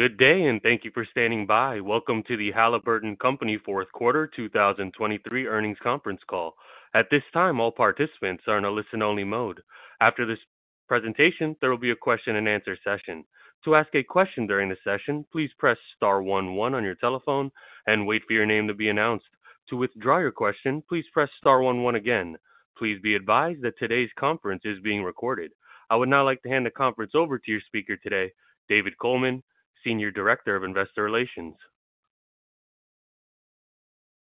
Good day, and thank you for standing by. Welcome to the Halliburton Company Fourth Quarter 2023 Earnings Conference Call. At this time, all participants are in a listen-only mode. After this presentation, there will be a question-and-answer session. To ask a question during the session, please press star one one on your telephone and wait for your name to be announced. To withdraw your question, please press star one one again. Please be advised that today's conference is being recorded. I would now like to hand the conference over to your speaker today, David Coleman, Senior Director of Investor Relations.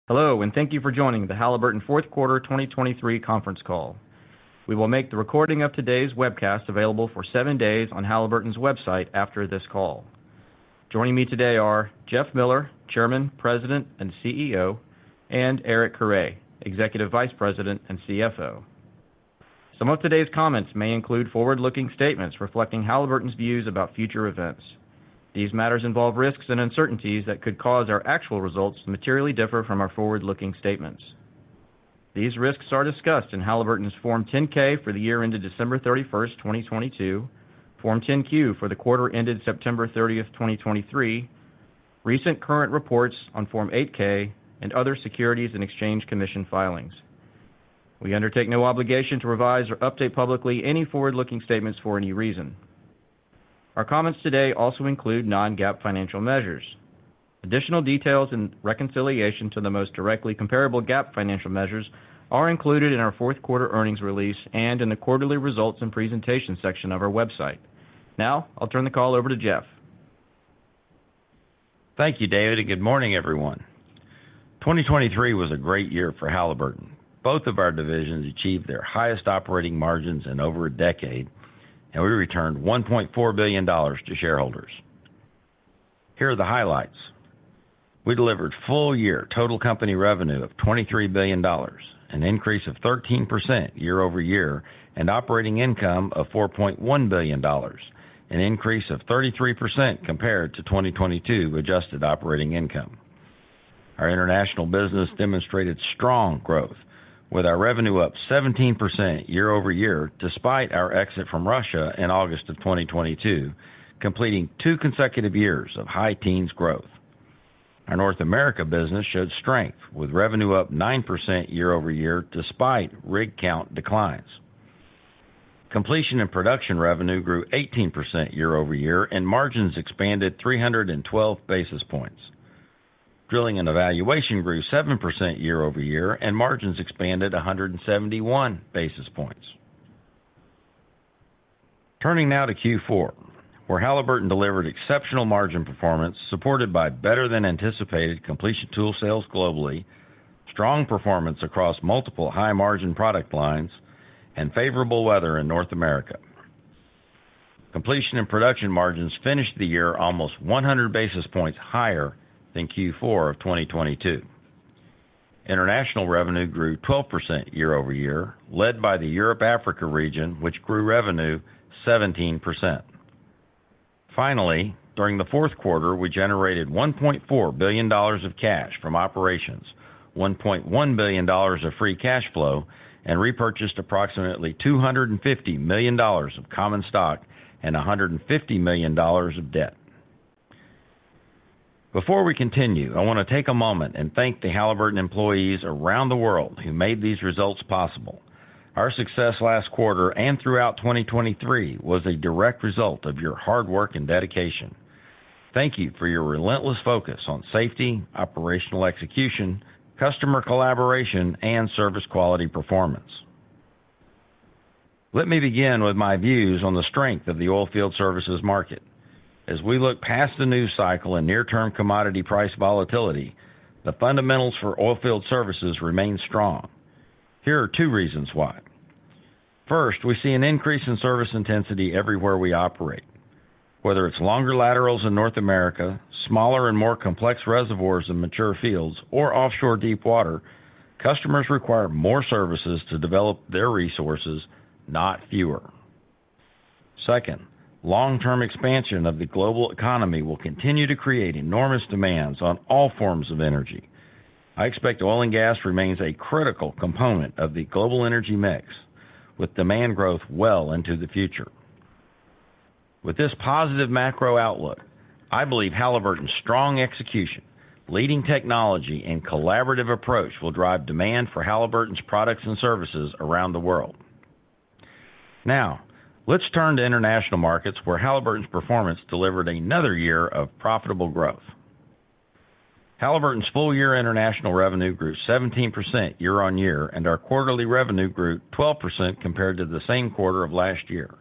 Hello, and thank you for joining the Halliburton Fourth Quarter 2023 conference call. We will make the recording of today's webcast available for seven days on Halliburton's website after this call. Joining me today are Jeff Miller, Chairman, President, and CEO, and Eric Carre, Executive Vice President and CFO. Some of today's comments may include forward-looking statements reflecting Halliburton's views about future events. These matters involve risks and uncertainties that could cause our actual results to materially differ from our forward-looking statements. These risks are discussed in Halliburton's Form 10-K for the year ended December 31, 2022, Form 10-Q for the quarter ended September 30, 2023, recent current reports on Form 8-K, and other Securities and Exchange Commission filings. We undertake no obligation to revise or update publicly any forward-looking statements for any reason. Our comments today also include non-GAAP financial measures. Additional details and reconciliation to the most directly comparable GAAP financial measures are included in our fourth quarter earnings release and in the Quarterly Results and Presentation section of our website. Now, I'll turn the call over to Jeff. Thank you, David, and good morning, everyone. 2023 was a great year for Halliburton. Both of our divisions achieved their highest operating margins in over a decade, and we returned $1.4 billion to shareholders. Here are the highlights: We delivered full-year total company revenue of $23 billion, an increase of 13% year-over-year, and operating income of $4.1 billion, an increase of 33% compared to 2022 adjusted operating income. Our international business demonstrated strong growth, with our revenue up 17% year-over-year, despite our exit from Russia in August of 2022, completing two consecutive years of high teens growth. Our North America business showed strength, with revenue up 9% year-over-year, despite rig count declines. Completion and Production revenue grew 18% year-over-year, and margins expanded 312 basis points. Drilling and Evaluation grew 7% year-over-year, and margins expanded 171 basis points. Turning now to Q4, where Halliburton delivered exceptional margin performance, supported by better-than-anticipated completion tool sales globally, strong performance across multiple high-margin product lines, and favorable weather in North America. Completion and Production margins finished the year almost 100 basis points higher than Q4 of 2022. International revenue grew 12% year-over-year, led by the Europe/Africa region, which grew revenue 17%. Finally, during the fourth quarter, we generated $1.4 billion of cash from operations, $1.1 billion of free cash flow, and repurchased approximately $250 million of common stock and $150 million of debt. Before we continue, I want to take a moment and thank the Halliburton employees around the world who made these results possible. Our success last quarter and throughout 2023 was a direct result of your hard work and dedication. Thank you for your relentless focus on safety, operational execution, customer collaboration, and service quality performance. Let me begin with my views on the strength of the oil field services market. As we look past the news cycle and near-term commodity price volatility, the fundamentals for oil field services remain strong. Here are two reasons why. First, we see an increase in service intensity everywhere we operate. Whether it's longer laterals in North America, smaller and more complex reservoirs in mature fields, or offshore deep water, customers require more services to develop their resources, not fewer. Second, long-term expansion of the global economy will continue to create enormous demands on all forms of energy. I expect oil and gas remains a critical component of the global energy mix, with demand growth well into the future. With this positive macro-outlook, I believe Halliburton's strong execution, leading technology, and collaborative approach will drive demand for Halliburton's products and services around the world. Now, let's turn to international markets, where Halliburton's performance delivered another year of profitable growth. Halliburton's full-year international revenue grew 17% year on year, and our quarterly revenue grew 12% compared to the same quarter of last year.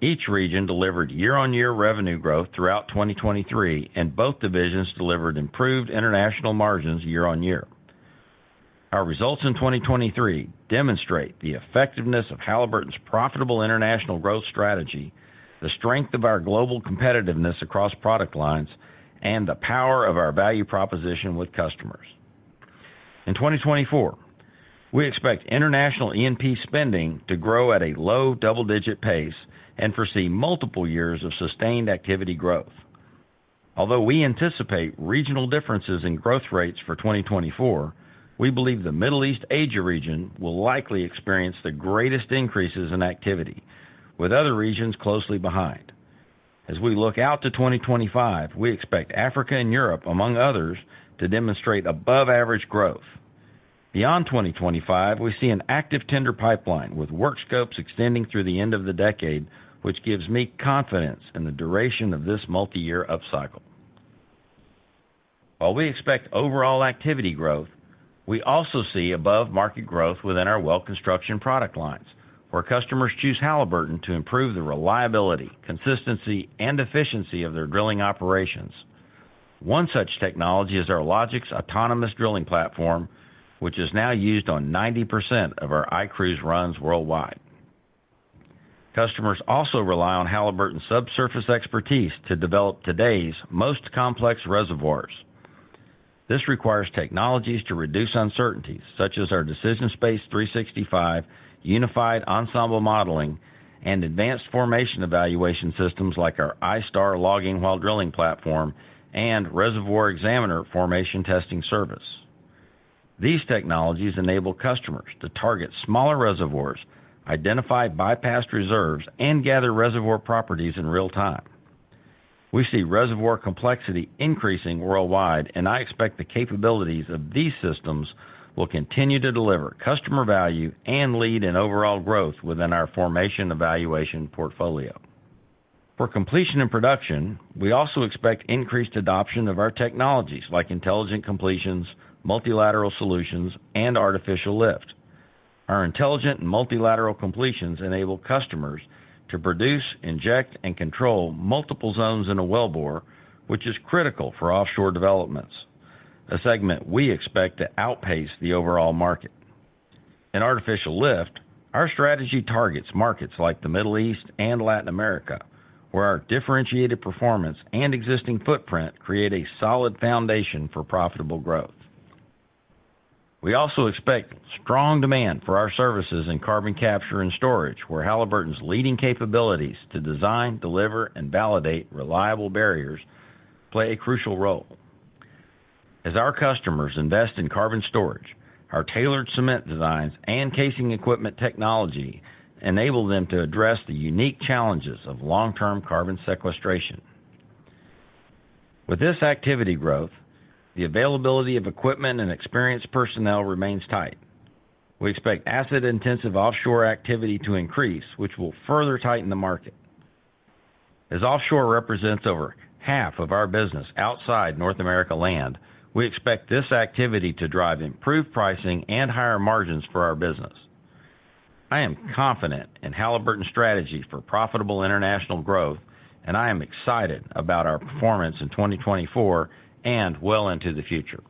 Each region delivered year-on-year revenue growth throughout 2023, and both divisions delivered improved international margins year on year. Our results in 2023 demonstrate the effectiveness of Halliburton's profitable international growth strategy, the strength of our global competitiveness across product lines, and the power of our value proposition with customers. In 2024, we expect international E&P spending to grow at a low double-digit pace and foresee multiple years of sustained activity growth. Although we anticipate regional differences in growth rates for 2024, we believe the Middle East/Asia region will likely experience the greatest increases in activity, with other regions closely behind. As we look out to 2025, we expect Africa and Europe, among others, to demonstrate above-average growth. Beyond 2025, we see an active tender pipeline, with work scopes extending through the end of the decade, which gives me confidence in the duration of this multiyear upcycle. While we expect overall activity growth, we also see above-market growth within our well construction product lines, where customers choose Halliburton to improve the reliability, consistency, and efficiency of their drilling operations. One such technology is our LOGIX autonomous drilling platform, which is now used on 90% of our iCruise runs worldwide. Customers also rely on Halliburton's subsurface expertise to develop today's most complex reservoirs. This requires technologies to reduce uncertainties, such as our DecisionSpace 365, Unified Ensemble Modeling, and advanced formation evaluation systems like our iStar logging while drilling platform and Reservoir Xaminer formation testing service. These technologies enable customers to target smaller reservoirs, identify bypassed reserves, and gather reservoir properties in real time. We see reservoir complexity increasing worldwide, and I expect the capabilities of these systems will continue to deliver customer value and lead in overall growth within our formation evaluation portfolio. For Completion and Production, we also expect increased adoption of our technologies like intelligent completions, multilateral solutions, and artificial lift. Our intelligent and multilateral completions enable customers to produce, inject, and control multiple zones in a wellbore, which is critical for offshore developments, a segment we expect to outpace the overall market. In artificial lift, our strategy targets markets like the Middle East and Latin America, where our differentiated performance and existing footprint create a solid foundation for profitable growth. We also expect strong demand for our services in carbon capture and storage, where Halliburton's leading capabilities to design, deliver, and validate reliable barriers play a crucial role. As our customers invest in carbon storage, our tailored cement designs and casing equipment technology enable them to address the unique challenges of long-term carbon sequestration. With this activity growth, the availability of equipment and experienced personnel remains tight. We expect asset-intensive offshore activity to increase, which will further tighten the market. As offshore represents over half of our business outside North America land, we expect this activity to drive improved pricing and higher margins for our business. I am confident in Halliburton's strategy for profitable international growth, and I am excited about our performance in 2024 and well into the future.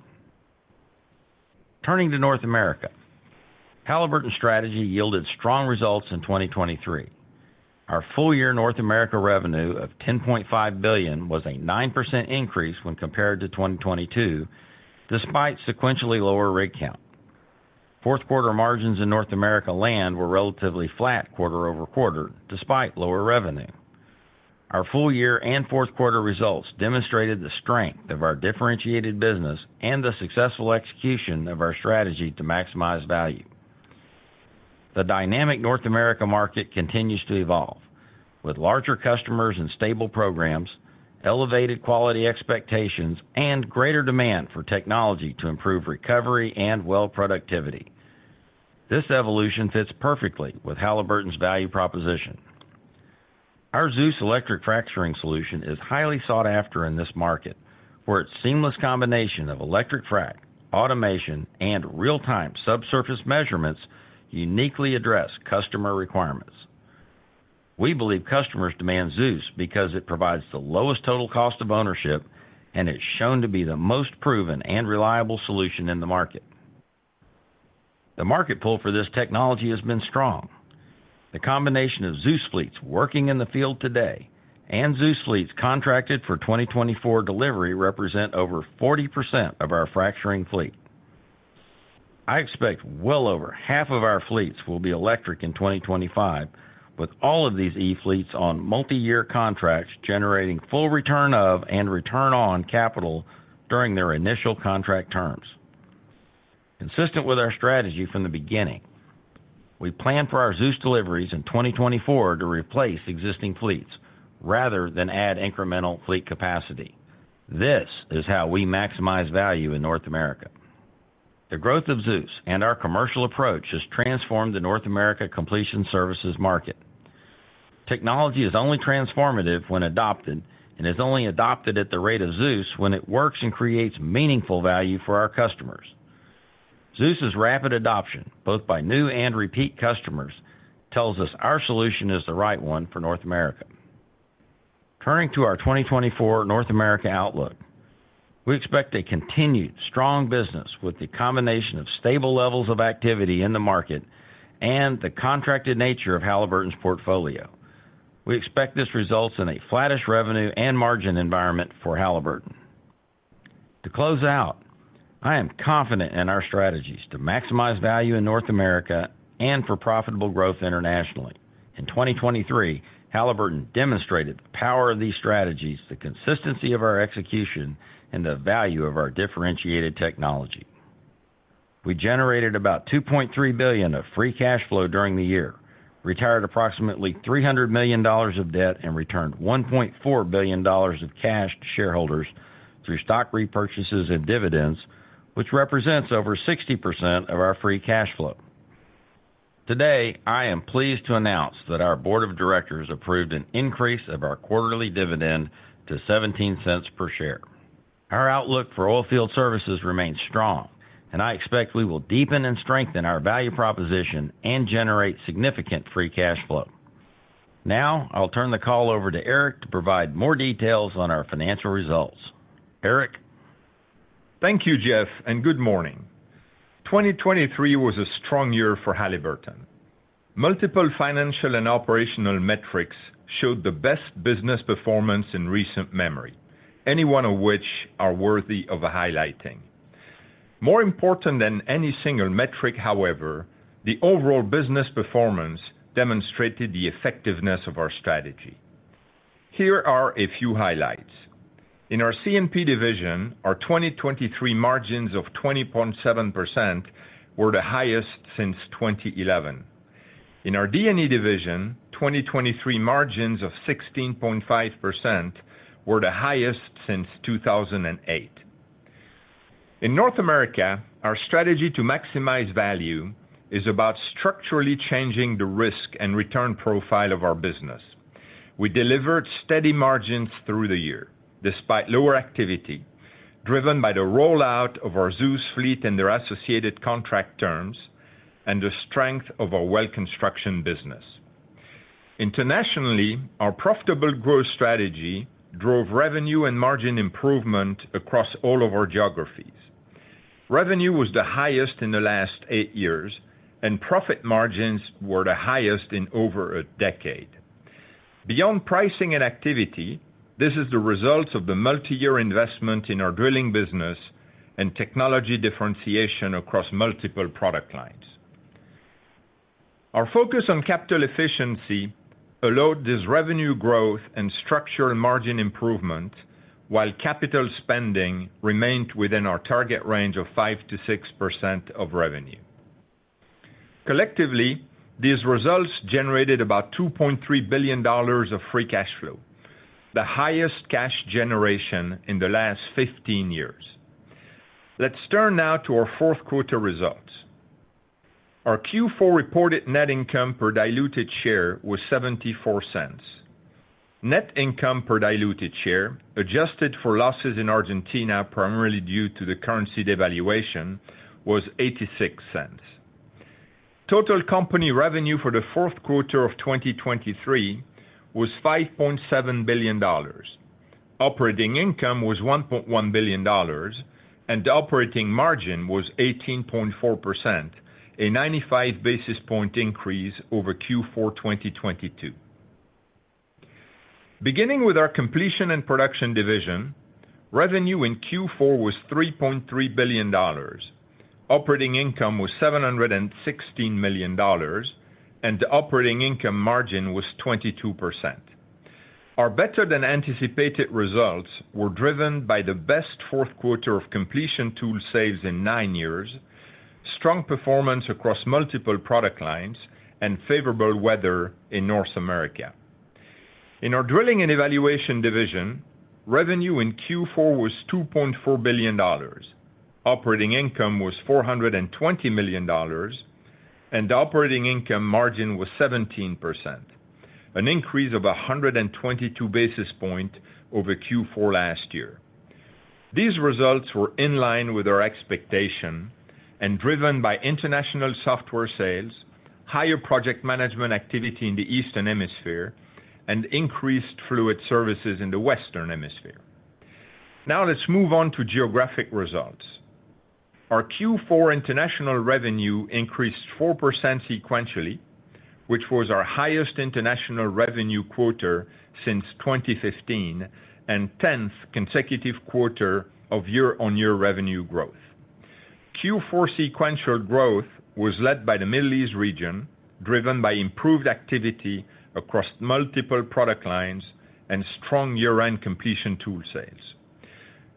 Turning to North America, Halliburton's strategy yielded strong results in 2023. Our full-year North America revenue of $10.5 billion was a 9% increase when compared to 2022, despite sequentially lower rig count. Fourth quarter margins in North America land were relatively flat quarter-over-quarter, despite lower revenue. Our full-year and fourth quarter results demonstrated the strength of our differentiated business and the successful execution of our strategy to maximize value. The dynamic North America market continues to evolve, with larger customers and stable programs, elevated quality expectations, and greater demand for technology to improve recovery and well productivity. This evolution fits perfectly with Halliburton's value proposition. Our ZEUS electric fracturing solution is highly sought after in this market, where its seamless combination of electric frac, automation, and real-time subsurface measurements uniquely address customer requirements. We believe customers demand ZEUS because it provides the lowest total cost of ownership, and it's shown to be the most proven and reliable solution in the market. The market pull for this technology has been strong. The combination of ZEUS fleets working in the field today and ZEUS fleets contracted for 2024 delivery represent over 40% of our fracturing fleet. I expect well over half of our fleets will be electric in 2025, with all of these e-fleets on multiyear contracts, generating full return of and return on capital during their initial contract terms. Consistent with our strategy from the beginning, we plan for our ZEUS deliveries in 2024 to replace existing fleets rather than add incremental fleet capacity. This is how we maximize value in North America. The growth of ZEUS and our commercial approach has transformed the North America completion services market. Technology is only transformative when adopted, and is only adopted at the rate of ZEUS when it works and creates meaningful value for our customers. ZEUS's rapid adoption, both by new and repeat customers, tells us our solution is the right one for North America. Turning to our 2024 North America outlook, we expect a continued strong business with the combination of stable levels of activity in the market and the contracted nature of Halliburton's portfolio. We expect this results in a flattish revenue and margin environment for Halliburton. To close out, I am confident in our strategies to maximize value in North America and for profitable growth internationally. In 2023, Halliburton demonstrated the power of these strategies, the consistency of our execution, and the value of our differentiated technology. We generated about $2.3 billion of free cash flow during the year, retired approximately $300 million of debt, and returned $1.4 billion of cash to shareholders through stock repurchases and dividends, which represents over 60% of our free cash flow. Today, I am pleased to announce that our board of directors approved an increase of our quarterly dividend to $0.17 per share. Our outlook for oilfield services remains strong, and I expect we will deepen and strengthen our value proposition and generate significant free cash flow. Now, I'll turn the call over to Eric to provide more details on our financial results. Eric? Thank you, Jeff, and good morning. 2023 was a strong year for Halliburton. Multiple financial and operational metrics showed the best business performance in recent memory, any one of which are worthy of highlighting. More important than any single metric, however, the overall business performance demonstrated the effectiveness of our strategy. Here are a few highlights: In our C&P division, our 2023 margins of 20.7% were the highest since 2011. In our D&E division, 2023 margins of 16.5% were the highest since 2008. In North America, our strategy to maximize value is about structurally changing the risk and return profile of our business. We delivered steady margins through the year, despite lower activity, driven by the rollout of our ZEUS fleet and their associated contract terms and the strength of our well construction business. Internationally, our profitable growth strategy drove revenue and margin improvement across all of our geographies. Revenue was the highest in the last 8 years, and profit margins were the highest in over a decade. Beyond pricing and activity, this is the result of the multiyear investment in our drilling business and technology differentiation across multiple product lines. Our focus on capital efficiency allowed this revenue growth and structural margin improvement, while capital spending remained within our target range of 5%-6% of revenue. Collectively, these results generated about $2.3 billion of free cash flow, the highest cash generation in the last 15 years. Let's turn now to our fourth quarter results. Our Q4 reported net income per diluted share was $0.74. Net income per diluted share, adjusted for losses in Argentina, primarily due to the currency devaluation, was $0.86. Total company revenue for the fourth quarter of 2023 was $5.7 billion. Operating income was $1.1 billion, and the operating margin was 18.4%, a 95 basis point increase over Q4 2022. Beginning with our Completion and Production division, revenue in Q4 was $3.3 billion. Operating income was $716 million, and the operating income margin was 22%. Our better-than-anticipated results were driven by the best fourth quarter of completion tool sales in nine years, strong performance across multiple product lines, and favorable weather in North America. In our Drilling and Evaluation division, revenue in Q4 was $2.4 billion. Operating income was $420 million, and operating income margin was 17%, an increase of a 122 basis point over Q4 last year. These results were in line with our expectation and driven by international software sales, higher project management activity in the Eastern Hemisphere, and increased fluid services in the Western Hemisphere. Now, let's move on to geographic results. Our Q4 international revenue increased 4% sequentially, which was our highest international revenue quarter since 2015 and 10th consecutive quarter of year-on-year revenue growth. Q4 sequential growth was led by the Middle East region, driven by improved activity across multiple product lines and strong year-end completion tool sales.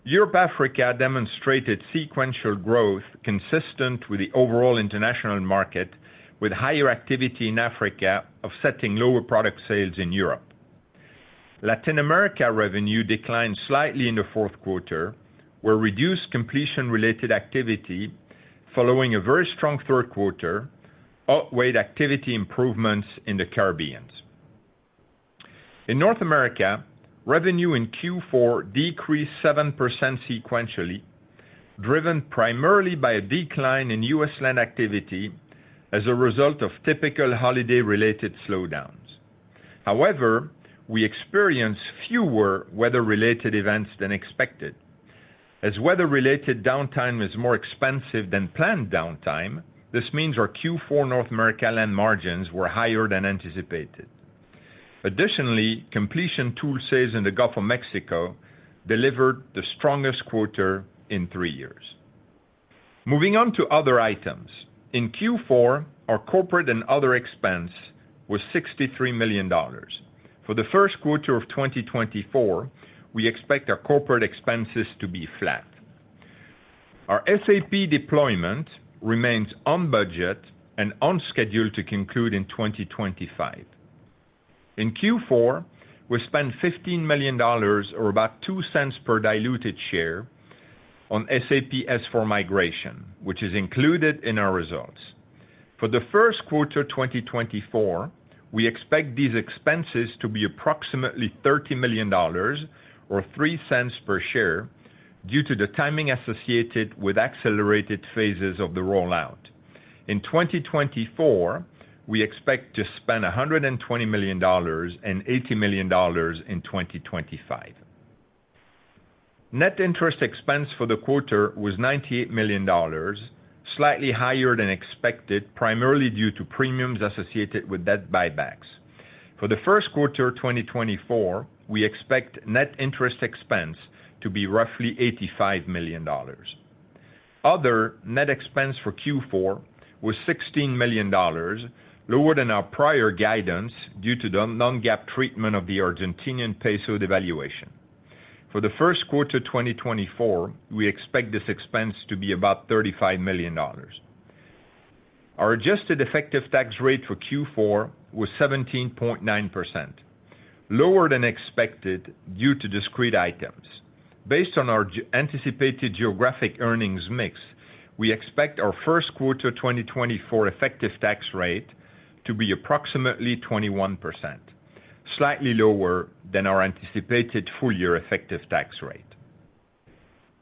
Europe, Africa demonstrated sequential growth consistent with the overall international market, with higher activity in Africa offsetting lower product sales in Europe. Latin America revenue declined slightly in the fourth quarter, where reduced completion-related activity, following a very strong third quarter, outweighed activity improvements in the Caribbean. In North America, revenue in Q4 decreased 7% sequentially, driven primarily by a decline in U.S. land activity as a result of typical holiday-related slowdowns. However, we experienced fewer weather-related events than expected. As weather-related downtime is more expensive than planned downtime, this means our Q4 North America land margins were higher than anticipated. Additionally, completion tool sales in the Gulf of Mexico delivered the strongest quarter in three years. Moving on to other items. In Q4, our corporate and other expense was $63 million. For the first quarter of 2024, we expect our corporate expenses to be flat. Our SAP deployment remains on budget and on schedule to conclude in 2025. In Q4, we spent $15 million, or about $0.02 per diluted share, on SAP S/4HANA migration, which is included in our results. For the first quarter 2024, we expect these expenses to be approximately $30 million or $0.03 per share, due to the timing associated with accelerated phases of the rollout. In 2024, we expect to spend $120 million and $80 million in 2025. Net interest expense for the quarter was $98 million, slightly higher than expected, primarily due to premiums associated with debt buybacks. For the first quarter of 2024, we expect net interest expense to be roughly $85 million. Other net expense for Q4 was $16 million, lower than our prior guidance, due to the non-GAAP treatment of the Argentine peso devaluation. For the first quarter 2024, we expect this expense to be about $35 million. Our adjusted effective tax rate for Q4 was 17.9%, lower than expected due to discrete items. Based on our anticipated geographic earnings mix, we expect our first quarter 2024 effective tax rate to be approximately 21%, slightly lower than our anticipated full-year effective tax rate.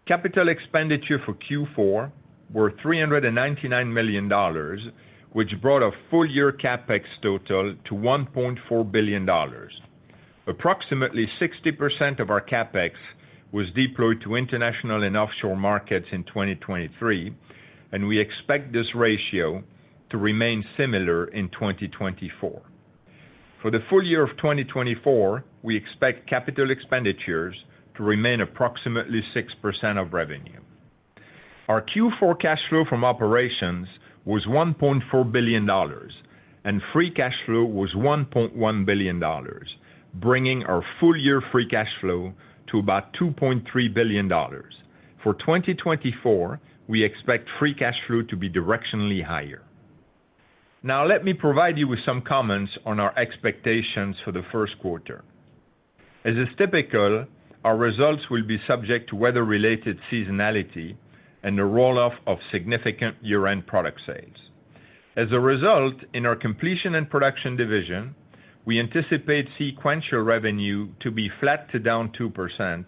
Capital expenditure for Q4 were $399 million, which brought a full-year CapEx total to $1.4 billion. Approximately 60% of our CapEx was deployed to international and offshore markets in 2023, and we expect this ratio to remain similar in 2024. For the full year of 2024, we expect capital expenditures to remain approximately 6% of revenue. Our Q4 cash flow from operations was $1.4 billion, and free cash flow was $1.1 billion, bringing our full-year free cash flow to about $2.3 billion. For 2024, we expect free cash flow to be directionally higher. Now, let me provide you with some comments on our expectations for the first quarter. As is typical, our results will be subject to weather-related seasonality and the roll-off of significant year-end product sales. As a result, in our Completion and Production division, we anticipate sequential revenue to be flat to down 2%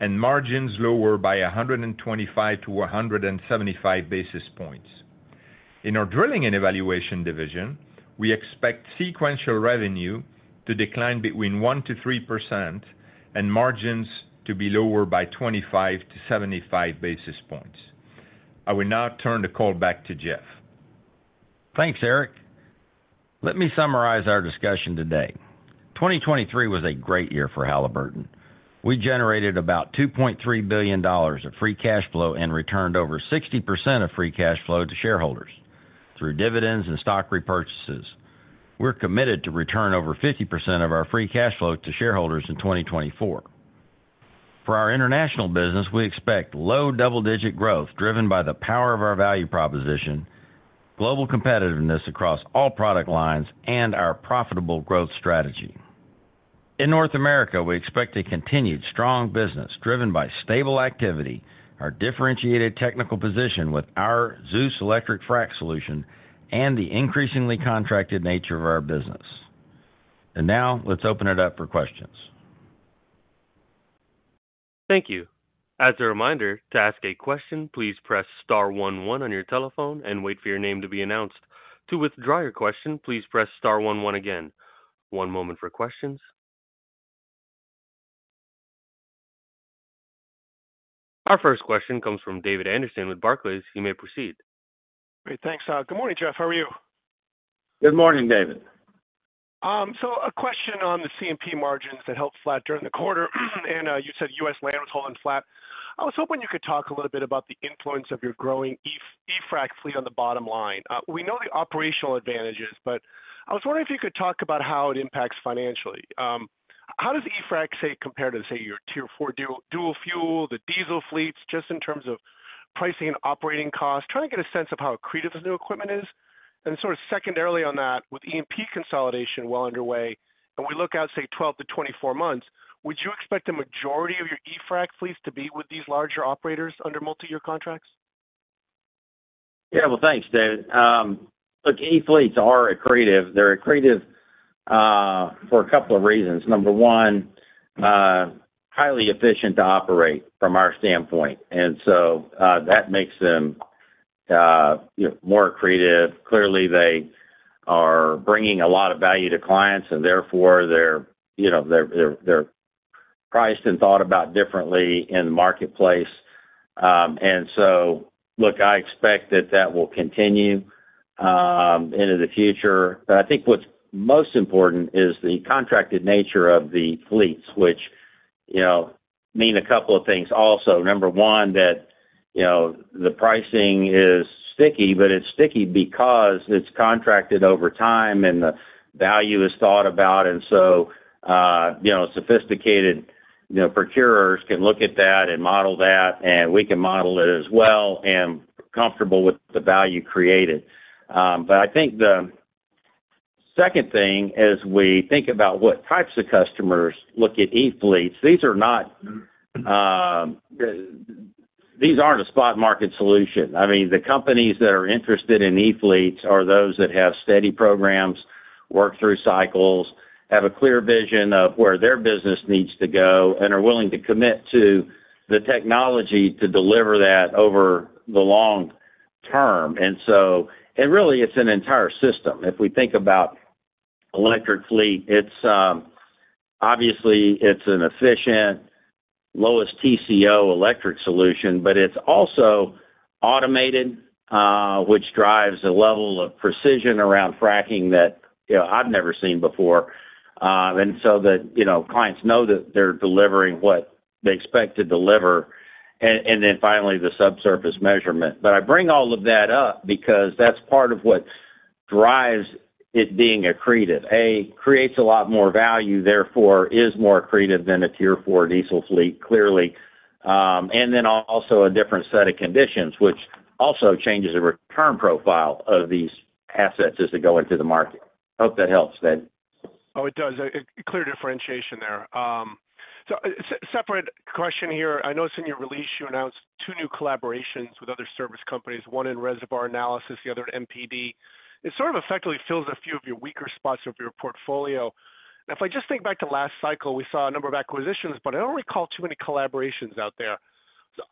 and margins lower by 125-175 basis points. In our Drilling and Evaluation division, we expect sequential revenue to decline between 1%-3% and margins to be lower by 25-75 basis points. I will now turn the call back to Jeff. Thanks, Eric. Let me summarize our discussion today. 2023 was a great year for Halliburton. We generated about $2.3 billion of free cash flow and returned over 60% of free cash flow to shareholders through dividends and stock repurchases. We're committed to return over 50% of our free cash flow to shareholders in 2024. For our international business, we expect low double-digit growth, driven by the power of our value proposition, global competitiveness across all product lines, and our profitable growth strategy. In North America, we expect a continued strong business, driven by stable activity, our differentiated technical position with our ZEUS electric frac solution, and the increasingly contracted nature of our business. And now, let's open it up for questions. Thank you. As a reminder, to ask a question, please press star one one on your telephone and wait for your name to be announced. To withdraw your question, please press star one one again. One moment for questions. Our first question comes from David Anderson with Barclays. You may proceed. Great, thanks. Good morning, Jeff. How are you? Good morning, David. So a question on the C&P margins that held flat during the quarter, and you said U.S. land was holding flat. I was hoping you could talk a little bit about the influence of your growing e-frac fleet on the bottom line. We know the operational advantages, but I was wondering if you could talk about how it impacts financially. How does e-frac, say, compare to, say, your Tier 4 dual fuel, the diesel fleets, just in terms of pricing and operating costs? Trying to get a sense of how accretive the new equipment is. And sort of secondarily on that, with EMP consolidation well underway, and we look out, say, 12-24 months, would you expect the majority of your e-frac fleets to be with these larger operators under multi-year contracts? Yeah, well, thanks, David. Look, E-fleets are accretive. They're accretive for a couple of reasons. Number one, highly efficient to operate from our standpoint, and so that makes them, you know, more accretive. Clearly, they are bringing a lot of value to clients, and therefore they're, you know, priced and thought about differently in the marketplace. And so, look, I expect that that will continue into the future. But I think what's most important is the contracted nature of the fleets, which, you know, mean a couple of things also. Number one, that, you know, the pricing is sticky, but it's sticky because it's contracted over time, and the value is thought about. So, you know, sophisticated, you know, procurers can look at that and model that, and we can model it as well, and we're comfortable with the value created. But I think the second thing, as we think about what types of customers look at E-fleets, these are not, these aren't a spot market solution. I mean, the companies that are interested in E-fleets are those that have steady programs, work through cycles, have a clear vision of where their business needs to go, and are willing to commit to the technology to deliver that over the long term. And so, and really, it's an entire system. If we think about electric fleet, it's obviously, it's an efficient, lowest TCO electric solution, but it's also automated, which drives a level of precision around fracking that, you know, I've never seen before. and so that, you know, clients know that they're delivering what they expect to deliver. And then finally, the subsurface measurement. But I bring all of that up because that's part of what drives it being accretive. creates a lot more value, therefore, is more accretive than a Tier 4 diesel fleet, clearly. and then also a different set of conditions, which also changes the return profile of these assets as they go into the market. Hope that helps, David. Oh, it does. Ah, a clear differentiation there. So separate question here. I noticed in your release, you announced two new collaborations with other service companies, one in reservoir analysis, the other in MPD. It sort of effectively fills a few of your weaker spots of your portfolio. Now, if I just think back to last cycle, we saw a number of acquisitions, but I don't recall too many collaborations out there.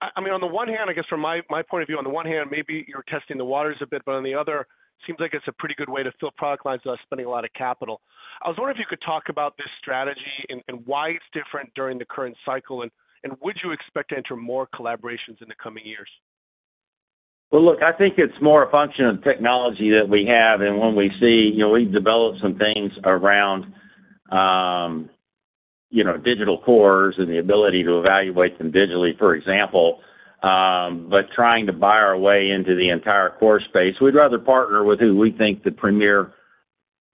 I mean, on the one hand, I guess from my point of view, on the one hand, maybe you're testing the waters a bit, but on the other, it seems like it's a pretty good way to fill product lines without spending a lot of capital. I was wondering if you could talk about this strategy and why it's different during the current cycle, and would you expect to enter more collaborations in the coming years? Well, look, I think it's more a function of technology that we have, and when we see, you know, we've developed some things around, you know, digital cores and the ability to evaluate them digitally, for example. But trying to buy our way into the entire core space, we'd rather partner with who we think the premier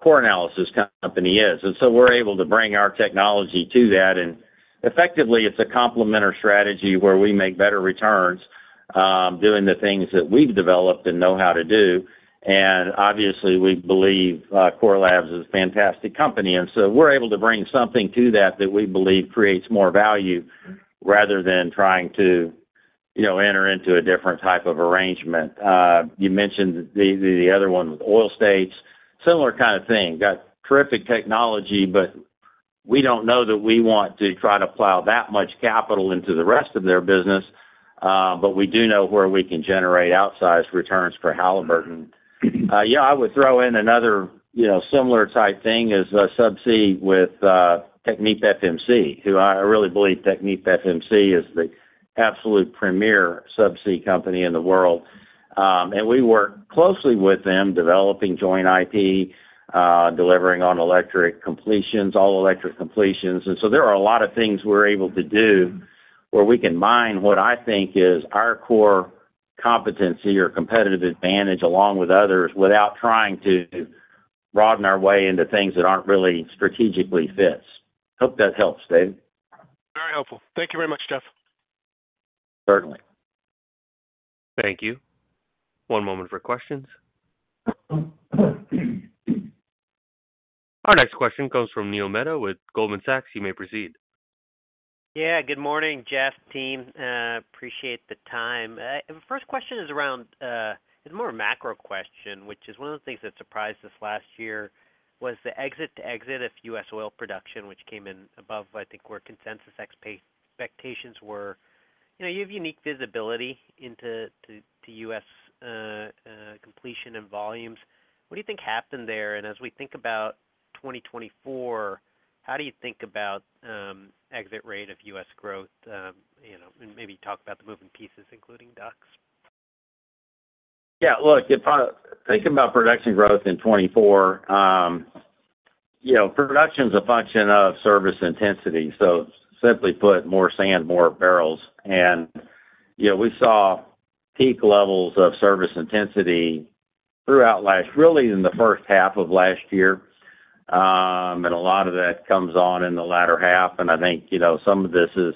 core analysis company is. And so we're able to bring our technology to that, and effectively, it's a complementary strategy where we make better returns, doing the things that we've developed and know how to do. And obviously, we believe, Core Lab is a fantastic company, and so we're able to bring something to that, that we believe creates more value rather than trying to, you know, enter into a different type of arrangement. You mentioned the, the, the other one with Oil States. Similar kind of thing. Got terrific technology, but we don't know that we want to try to plow that much capital into the rest of their business, but we do know where we can generate outsized returns for Halliburton. Yeah, I would throw in another, you know, similar type thing is, subsea with, TechnipFMC, who I, I really believe TechnipFMC is the absolute premier subsea company in the world. And we work closely with them, developing joint IP, delivering on electric completions, all-electric completions. And so there are a lot of things we're able to do, where we can mine what I think is our core competency or competitive advantage, along with others, without trying to broaden our way into things that aren't really strategically fits. Hope that helps, David. Very helpful. Thank you very much, Jeff. Certainly. Thank you. One moment for questions. Our next question comes from Neil Mehta with Goldman Sachs. You may proceed. Yeah, good morning, Jeff, team. Appreciate the time. The first question is around. It's more a macro question, which is one of the things that surprised us last year, was the exit-to-exit of U.S. oil production, which came in above, I think, where consensus expectations were. You know, you have unique visibility into the U.S. completion and volumes. What do you think happened there? And as we think about 2024, how do you think about exit rate of U.S. growth, you know, and maybe talk about the moving pieces, including DUCs? Yeah, look, if I'm thinking about production growth in 2024, you know, production's a function of service intensity. So simply put, more sand, more barrels. And, you know, we saw peak levels of service intensity throughout last year, really, in the first half of last year. And a lot of that comes on in the latter half, and I think, you know, some of this is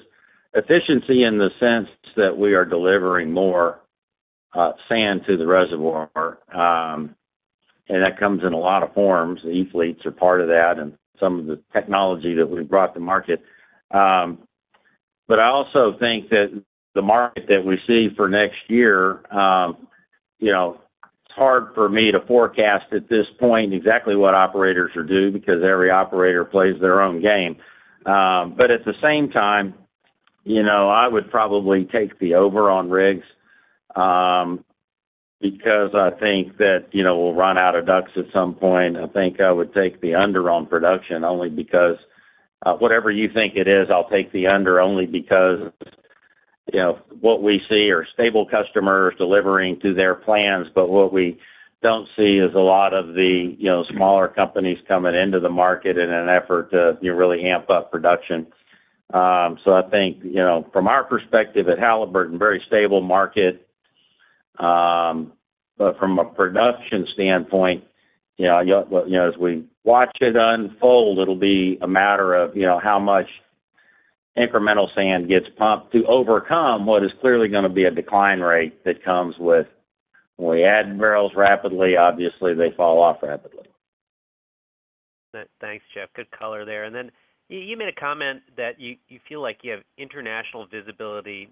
efficiency in the sense that we are delivering more sand to the reservoir, and that comes in a lot of forms. E-fleets are part of that, and some of the technology that we've brought to market. But I also think that the market that we see for next year, you know, it's hard for me to forecast at this point exactly what operators should do, because every operator plays their own game. But at the same time, you know, I would probably take the over on rigs, because I think that, you know, we'll run out of DUCs at some point. I think I would take the under on production only because, whatever you think it is, I'll take the under, only because, you know, what we see are stable customers delivering to their plans. But what we don't see is a lot of the, you know, smaller companies coming into the market in an effort to really amp up production. So I think, you know, from our perspective at Halliburton, very stable market. But from a production standpoint, you know, as we watch it unfold, it'll be a matter of, you know, how much incremental sand gets pumped to overcome what is clearly going to be a decline rate that comes with, when we add barrels rapidly, obviously, they fall off rapidly. Thanks, Jeff. Good color there. And then you made a comment that you feel like you have international visibility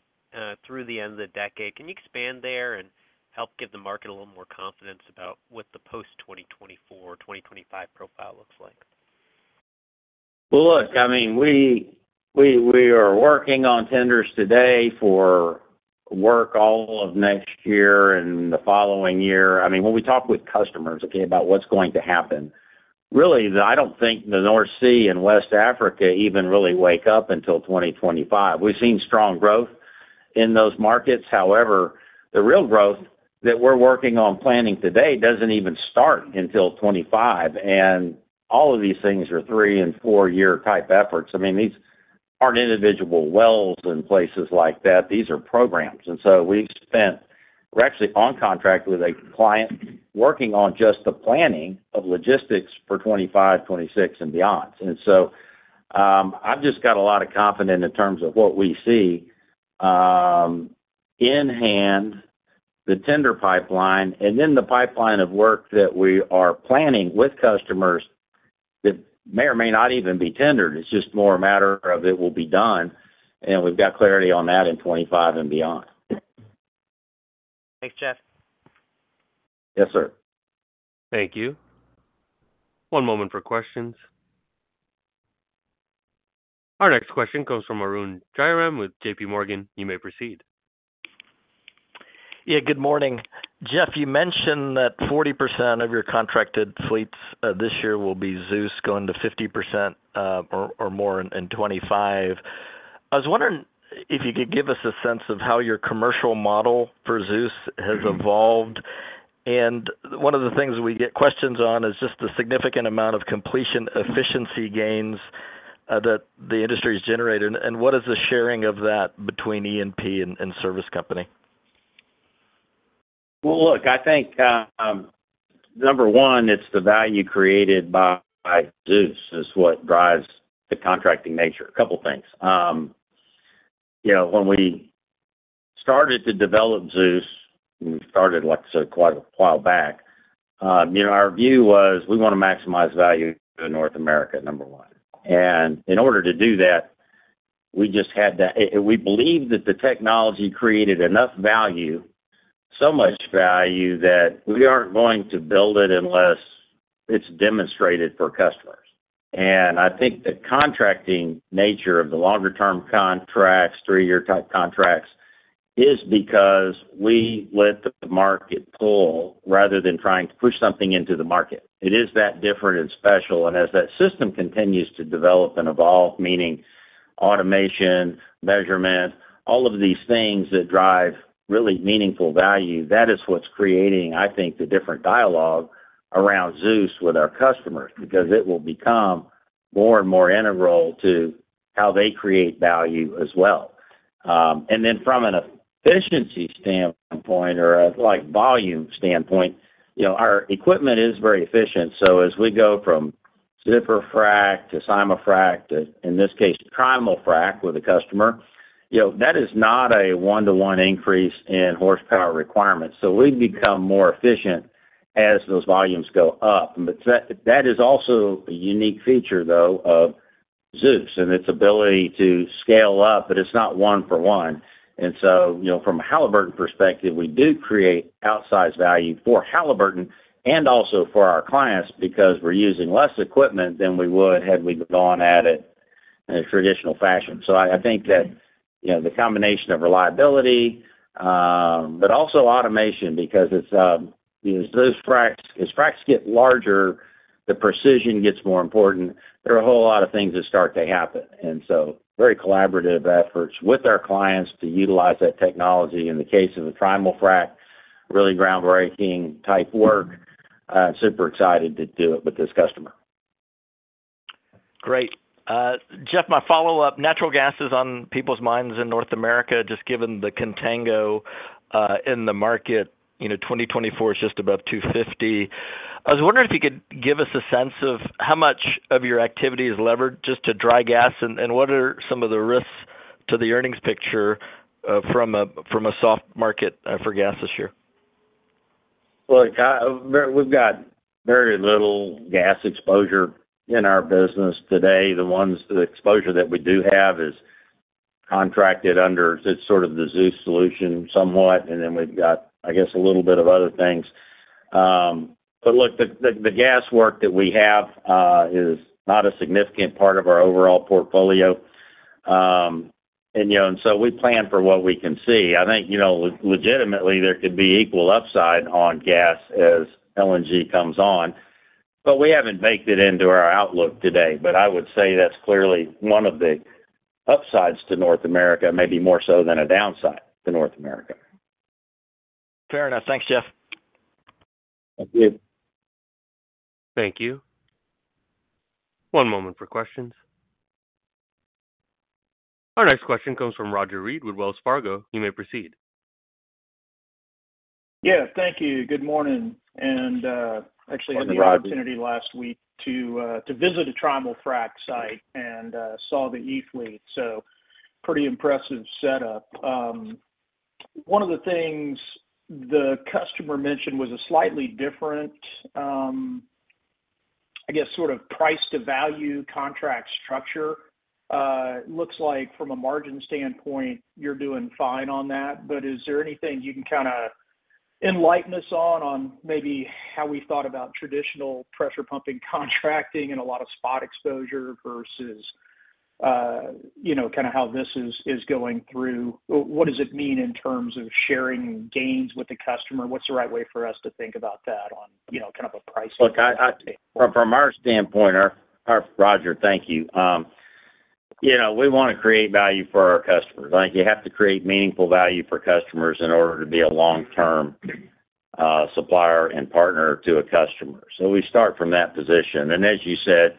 through the end of the decade. Can you expand there and help give the market a little more confidence about what the post-2024, 2025 profile looks like? Well, look, I mean, we are working on tenders today for work all of next year and the following year. I mean, when we talk with customers, okay, about what's going to happen, really, I don't think the North Sea and West Africa even really wake up until 2025. We've seen strong growth in those markets. However, the real growth that we're working on planning today doesn't even start until 2025, and all of these things are three- and four-year type efforts. I mean, these aren't individual wells in places like that. These are programs. And so we've spent. We're actually on contract with a client, working on just the planning of logistics for 2025, 2026, and beyond. I've just got a lot of confidence in terms of what we see in hand, the tender pipeline, and then the pipeline of work that we are planning with customers that may or may not even be tendered. It's just more a matter of it will be done, and we've got clarity on that in 2025 and beyond. Thanks, Jeff. Yes, sir. Thank you. One moment for questions. Our next question comes from Arun Jayaram with JPMorgan. You may proceed. Yeah, good morning. Jeff, you mentioned that 40% of your contracted fleets this year will be ZEUS, going to 50% or more in 2025. I was wondering if you could give us a sense of how your commercial model for ZEUS has evolved. And one of the things we get questions on is just the significant amount of completion efficiency gains that the industry has generated, and what is the sharing of that between E&P and service company? Well, look, I think, number one, it's the value created by ZEUS is what drives the contracting nature. A couple of things. You know, when we started to develop ZEUS, and we started, like I said, quite a while back, you know, our view was we want to maximize value to North America, number one. And in order to do that, we just had to—and we believed that the technology created enough value, so much value, that we aren't going to build it unless it's demonstrated for customers. And I think the contracting nature of the longer-term contracts, three-year type contracts, is because we let the market pull rather than trying to push something into the market. It is that different and special. As that system continues to develop and evolve, meaning automation, measurement, all of these things that drive really meaningful value, that is what's creating, I think, the different dialogue around ZEUS with our customers, because it will become more and more integral to how they create value as well. And then from an efficiency standpoint or a, like, volume standpoint, you know, our equipment is very efficient. So as we go from zipper frac to simul-frac, to, in this case, trimul-frac with a customer, you know, that is not a one-to-one increase in horsepower requirements. So we become more efficient as those volumes go up. But that, that is also a unique feature, though, of ZEUS and its ability to scale up, but it's not one for one. And so, you know, from a Halliburton perspective, we do create outsized value for Halliburton and also for our clients because we're using less equipment than we would had we gone at it in a traditional fashion. So I, I think that, you know, the combination of reliability, but also automation, because it's, as fracs get larger, the precision gets more important. There are a whole lot of things that start to happen, and so very collaborative efforts with our clients to utilize that technology. In the case of the trimul-frac, really groundbreaking type work. Super excited to do it with this customer. Great. Jeff, my follow-up, natural gas is on people's minds in North America, just given the contango in the market, you know, 2024 is just above $2.50. I was wondering if you could give us a sense of how much of your activity is levered just to dry gas, and what are some of the risks to the earnings picture from a soft market for gas this year? Look, we've got very little gas exposure in our business today. The ones, the exposure that we do have is contracted under, it's sort of the ZEUS solution somewhat, and then we've got, I guess, a little bit of other things. But look, the gas work that we have is not a significant part of our overall portfolio. And, you know, and so we plan for what we can see. I think, you know, legitimately, there could be equal upside on gas as LNG comes on, but we haven't baked it into our outlook today. But I would say that's clearly one of the upsides to North America, maybe more so than a downside to North America. Fair enough. Thanks, Jeff. Thank you. Thank you. One moment for questions. Our next question comes from Roger Read with Wells Fargo. You may proceed. Yeah, thank you. Good morning, and actually, I had the opportunity last week to visit a typical frac site and saw the E-fleet, so pretty impressive setup. One of the things the customer mentioned was a slightly different, I guess, sort of price to value contract structure. It looks like from a margin standpoint, you're doing fine on that, but is there anything you can kinda enlighten us on, on maybe how we thought about traditional pressure pumping, contracting, and a lot of spot exposure versus, you know, kinda how this is going through? What does it mean in terms of sharing gains with the customer? What's the right way for us to think about that on, you know, kind of a pricing? Look, from our standpoint, Roger, thank you. You know, we wanna create value for our customers. I think you have to create meaningful value for customers in order to be a long-term supplier and partner to a customer. So we start from that position. And as you said,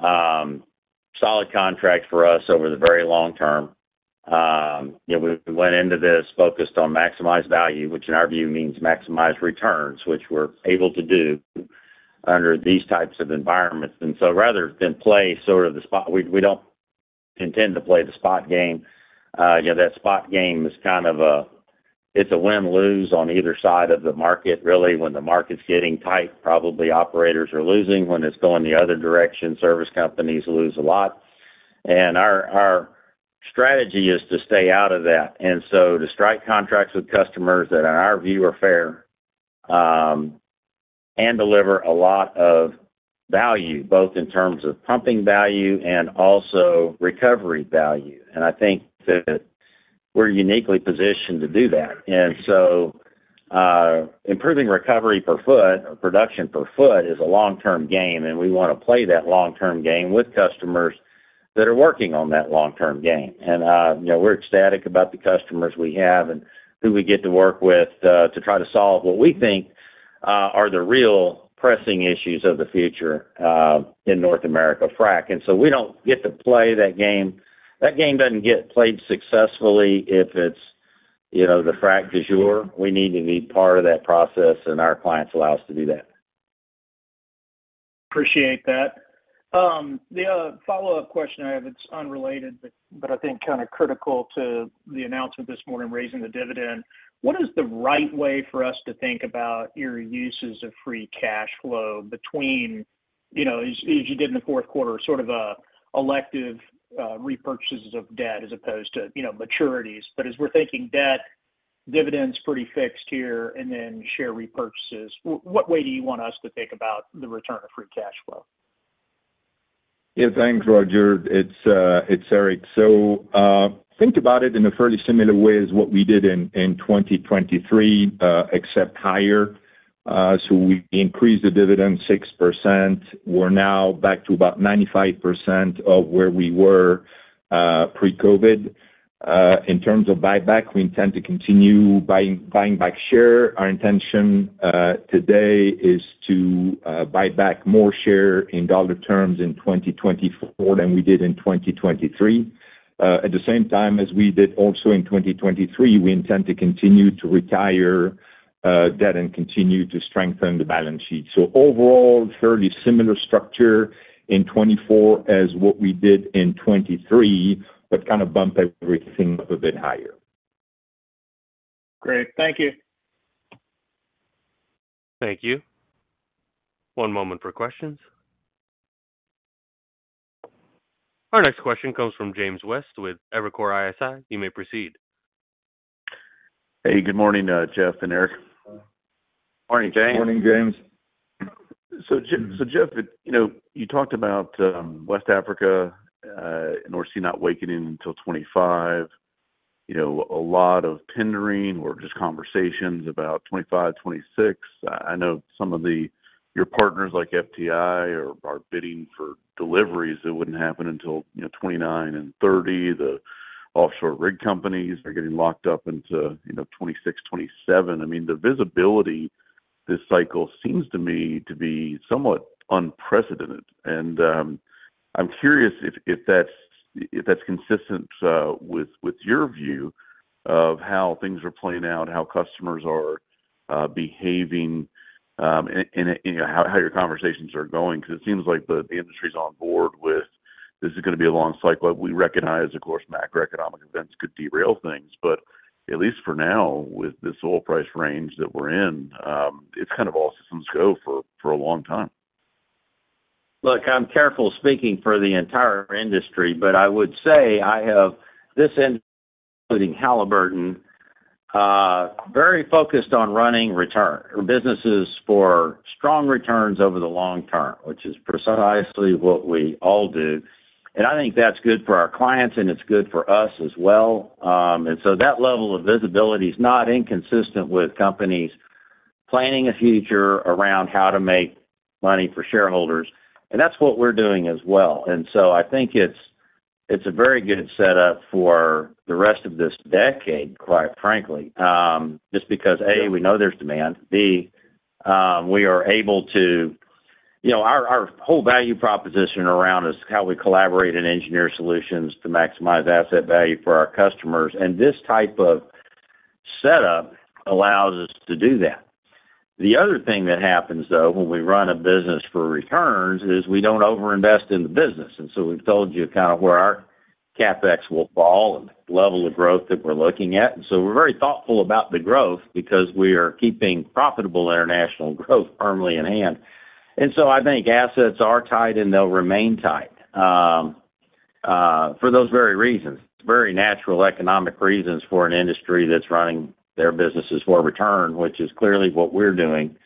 solid contract for us over the very long term. You know, we went into this focused on maximized value, which in our view, means maximize returns, which we're able to do under these types of environments. And so rather than play sort of the spot, we don't intend to play the spot game. You know, that spot game is a win-lose on either side of the market, really. When the market's getting tight, probably operators are losing. When it's going the other direction, service companies lose a lot. Our strategy is to stay out of that. So to strike contracts with customers that, in our view, are fair, and deliver a lot of value, both in terms of pumping value and also recovery value. And I think that we're uniquely positioned to do that. So, improving recovery per foot or production per foot is a long-term game, and we wanna play that long-term game with customers that are working on that long-term game. And, you know, we're ecstatic about the customers we have and who we get to work with, to try to solve what we think are the real pressing issues of the future, in North America frac. So we don't get to play that game. That game doesn't get played successfully if it's, you know, the frac du jour. We need to be part of that process, and our clients allow us to do that. Appreciate that. The follow-up question I have, it's unrelated, but I think kinda critical to the announcement this morning, raising the dividend. What is the right way for us to think about your uses of free cash flow between, you know, as you did in the fourth quarter, sort of elective repurchases of debt as opposed to, you know, maturities? But as we're thinking debt, dividends pretty fixed here, and then share repurchases, what way do you want us to think about the return of free cash flow? Yeah, thanks, Roger. It's Eric. So, think about it in a fairly similar way as what we did in 2023, except higher. So we increased the dividend 6%. We're now back to about 95% of where we were, pre-COVID. In terms of buyback, we intend to continue buying, buying back share. Our intention, today is to, buy back more share in dollar terms in 2024 than we did in 2023. At the same time as we did also in 2023, we intend to continue to retire, debt and continue to strengthen the balance sheet. So overall, fairly similar structure in 2024 as what we did in 2023, but kind of bump everything up a bit higher. Great. Thank you. Thank you. One moment for questions. Our next question comes from James West with Evercore ISI. You may proceed. Hey, good morning, Jeff and Eric. Morning, James. Morning, James. So, Jeff, you know, you talked about West Africa, and obviously not waking in until 2025. You know, a lot of tendering or just conversations about 2025, 2026. I know some of your partners, like FTI, are bidding for deliveries that wouldn't happen until, you know, 2029 and 2030. The offshore rig companies are getting locked up into, you know, 2026, 2027. I mean, the visibility this cycle seems to me to be somewhat unprecedented, and I'm curious if that's consistent with your view of how things are playing out, how customers are behaving, and, you know, how your conversations are going. Because it seems like the industry's on board with this is gonna be a long cycle. We recognize, of course, macroeconomic events could derail things, but at least for now, with this oil price range that we're in, it's kind of all systems go for a long time. Look, I'm careful speaking for the entire industry, but I would say at this end, including Halliburton, very focused on running our businesses for strong returns over the long term, which is precisely what we all do. And I think that's good for our clients, and it's good for us as well. And so that level of visibility is not inconsistent with companies planning a future around how to make money for shareholders, and that's what we're doing as well. And so I think it's a very good setup for the rest of this decade, quite frankly. Just because, A, we know there's demand, B, we are able to, you know, our whole value proposition around is how we collaborate and engineer solutions to maximize asset value for our customers, and this type of setup allows us to do that. The other thing that happens, though, when we run a business for returns, is we don't overinvest in the business. And so we've told you kind of where our CapEx will fall and the level of growth that we're looking at. And so we're very thoughtful about the growth because we are keeping profitable international growth firmly in hand. And so I think assets are tight, and they'll remain tight, for those very reasons. It's very natural economic reasons for an industry that's running their businesses for return, which is clearly what we're doing.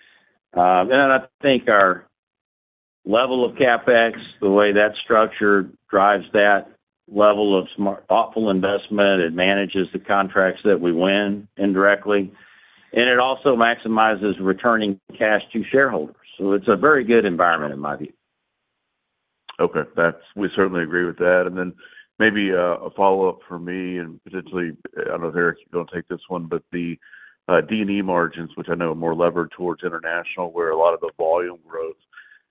And I think our level of CapEx, the way that's structured, drives that level of thoughtful investment. It manages the contracts that we win indirectly, and it also maximizes returning cash to shareholders. So it's a very good environment, in my view. Okay, that's. We certainly agree with that. And then maybe a follow-up for me and potentially, I don't know, Eric, if you're going to take this one, but the D&E margins, which I know are more levered towards international, where a lot of the volume growth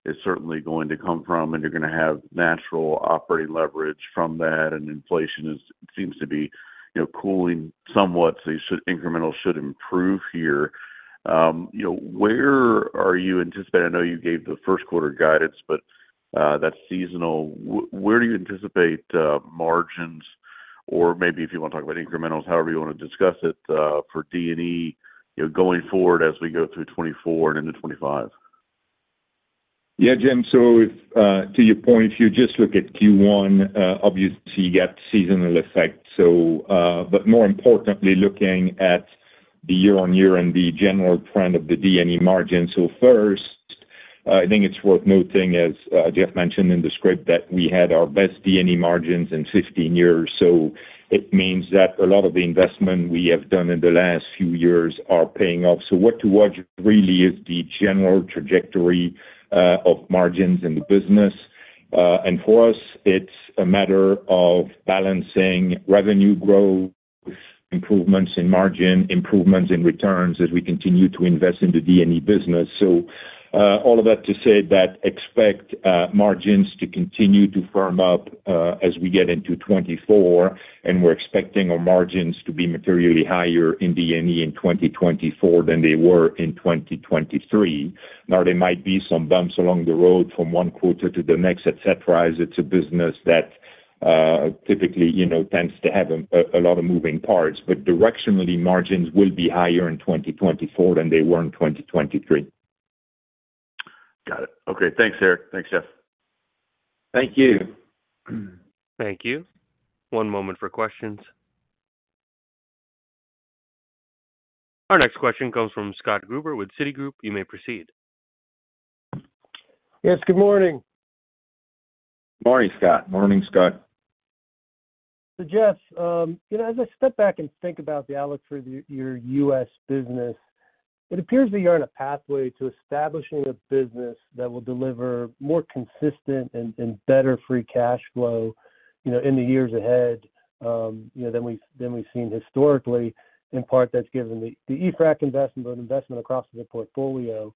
is certainly going to come from, and you're going to have natural operating leverage from that, and inflation seems to be, you know, cooling somewhat, so incremental should improve here. You know, where are you anticipating. I know you gave the first quarter guidance, but that's seasonal. Where do you anticipate margins, or maybe if you want to talk about incrementals, however you want to discuss it, for D&E, you know, going forward as we go through 2024 and into 2025? Yeah, Jim, so if, to your point, if you just look at Q1, obviously, you get seasonal effect. So, but more importantly, looking at the year-on-year and the general trend of the D&E margin. So first, I think it's worth noting, as Jeff mentioned in the script, that we had our best D&E margins in 15 years. So it means that a lot of the investment we have done in the last few years are paying off. So what to watch really is the general trajectory of margins in the business. And for us, it's a matter of balancing revenue growth, improvements in margin, improvements in returns as we continue to invest in the D&E business. So, all of that to say that we expect margins to continue to firm up as we get into 2024, and we're expecting our margins to be materially higher in D&E in 2024 than they were in 2023. Now, there might be some bumps along the road from one quarter to the next, et cetera, as it's a business that typically, you know, tends to have a lot of moving parts. But directionally, margins will be higher in 2024 than they were in 2023. Got it. Okay, thanks, Eric. Thanks, Jeff. Thank you. Thank you. One moment for questions. Our next question comes from Scott Gruber with Citigroup. You may proceed. Yes, good morning. Morning, Scott. Morning, Scott. So, Jeff, you know, as I step back and think about the outlook for your, your U.S. business, it appears that you're on a pathway to establishing a business that will deliver more consistent and, and better free cash flow, you know, in the years ahead, you know, than we, than we've seen historically. In part, that's given the, the e-frac investment, but investment across the portfolio.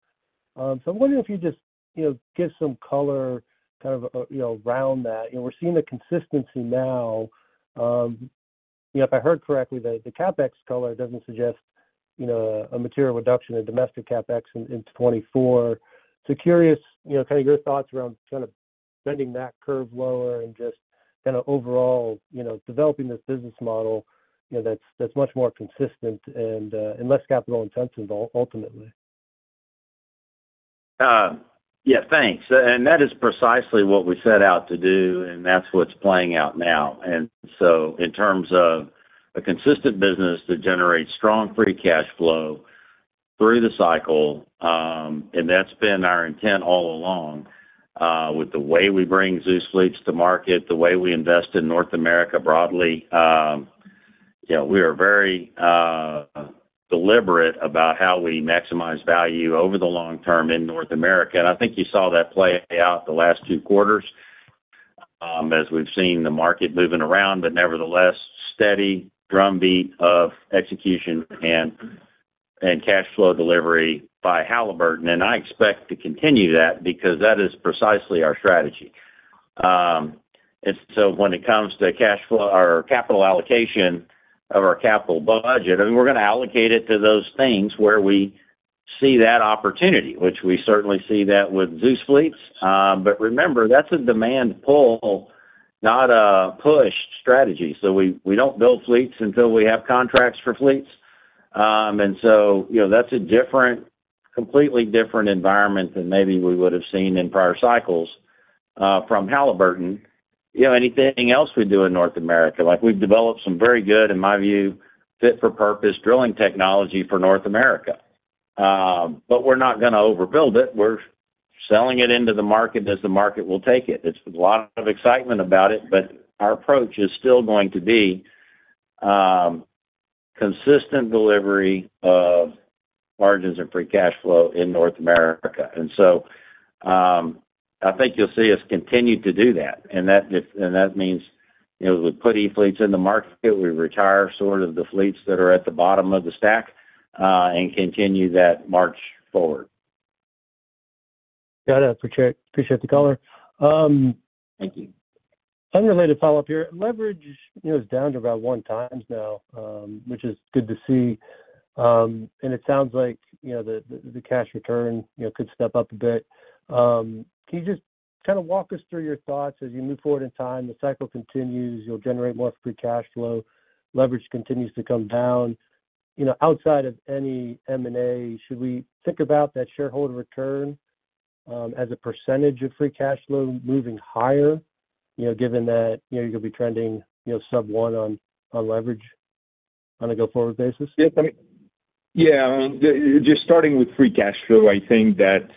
So I'm wondering if you just, you know, give some color kind of, you know, around that. And we're seeing the consistency now, you know, if I heard correctly, the, the CapEx color doesn't suggest, you know, a material reduction in domestic CapEx in, in 2024. So, curious, you know, kind of your thoughts around kind of bending that curve lower and just kind of overall, you know, developing this business model, you know, that's, that's much more consistent and, and less capital intensive ultimately. Yeah, thanks. And that is precisely what we set out to do, and that's what's playing out now. And so in terms of a consistent business that generates strong free cash flow through the cycle, and that's been our intent all along, with the way we bring ZEUS fleets to market, the way we invest in North America broadly, you know, we are very deliberate about how we maximize value over the long term in North America. And I think you saw that play out the last two quarters, as we've seen the market moving around, but nevertheless, steady drumbeat of execution and cash flow delivery by Halliburton. And I expect to continue that because that is precisely our strategy. And so when it comes to cash flow or capital allocation of our capital budget, and we're going to allocate it to those things where we see that opportunity, which we certainly see that with ZEUS fleets. But remember, that's a demand pull, not a push strategy. So we, we don't build fleets until we have contracts for fleets. And so, you know, that's a different, completely different environment than maybe we would have seen in prior cycles... You know, anything else we do in North America, like we've developed some very good, in my view, fit for purpose, drilling technology for North America. But we're not gonna overbuild it. We're selling it into the market as the market will take it. There's a lot of excitement about it, but our approach is still going to be, consistent delivery of margins and free cash flow in North America. And so, I think you'll see us continue to do that, and that, and that means, you know, we put E-fleets in the market, we retire sort of the fleets that are at the bottom of the stack, and continue that march forward. Got it. Appreciate the color, Thank you. Unrelated follow-up here. Leverage, you know, is down to about 1x now, which is good to see. It sounds like, you know, the cash return, you know, could step up a bit. Can you just kind of walk us through your thoughts as you move forward in time, the cycle continues, you'll generate more free cash flow, leverage continues to come down. You know, outside of any M&A, should we think about that shareholder return as a percentage of free cash flow moving higher, you know, given that, you know, you'll be trending, you know, sub 1 on leverage on a go-forward basis? Yeah, I mean, yeah, just starting with free cash flow, I think that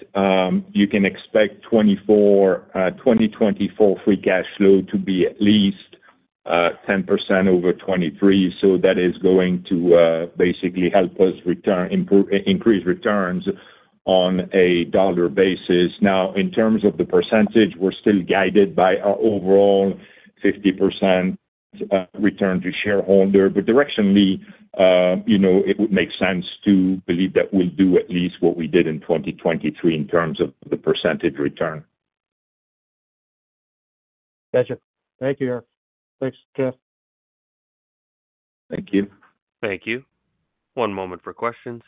you can expect 2024 free cash flow to be at least 10% over 2023. So that is going to basically help us return, improve, increase returns on a dollar basis. Now, in terms of the percentage, we're still guided by our overall 50% return to shareholder. But directionally, you know, it would make sense to believe that we'll do at least what we did in 2023 in terms of the percentage return. Gotcha. Thank you, Eric. Thanks, Jeff. Thank you. Thank you. One moment for questions.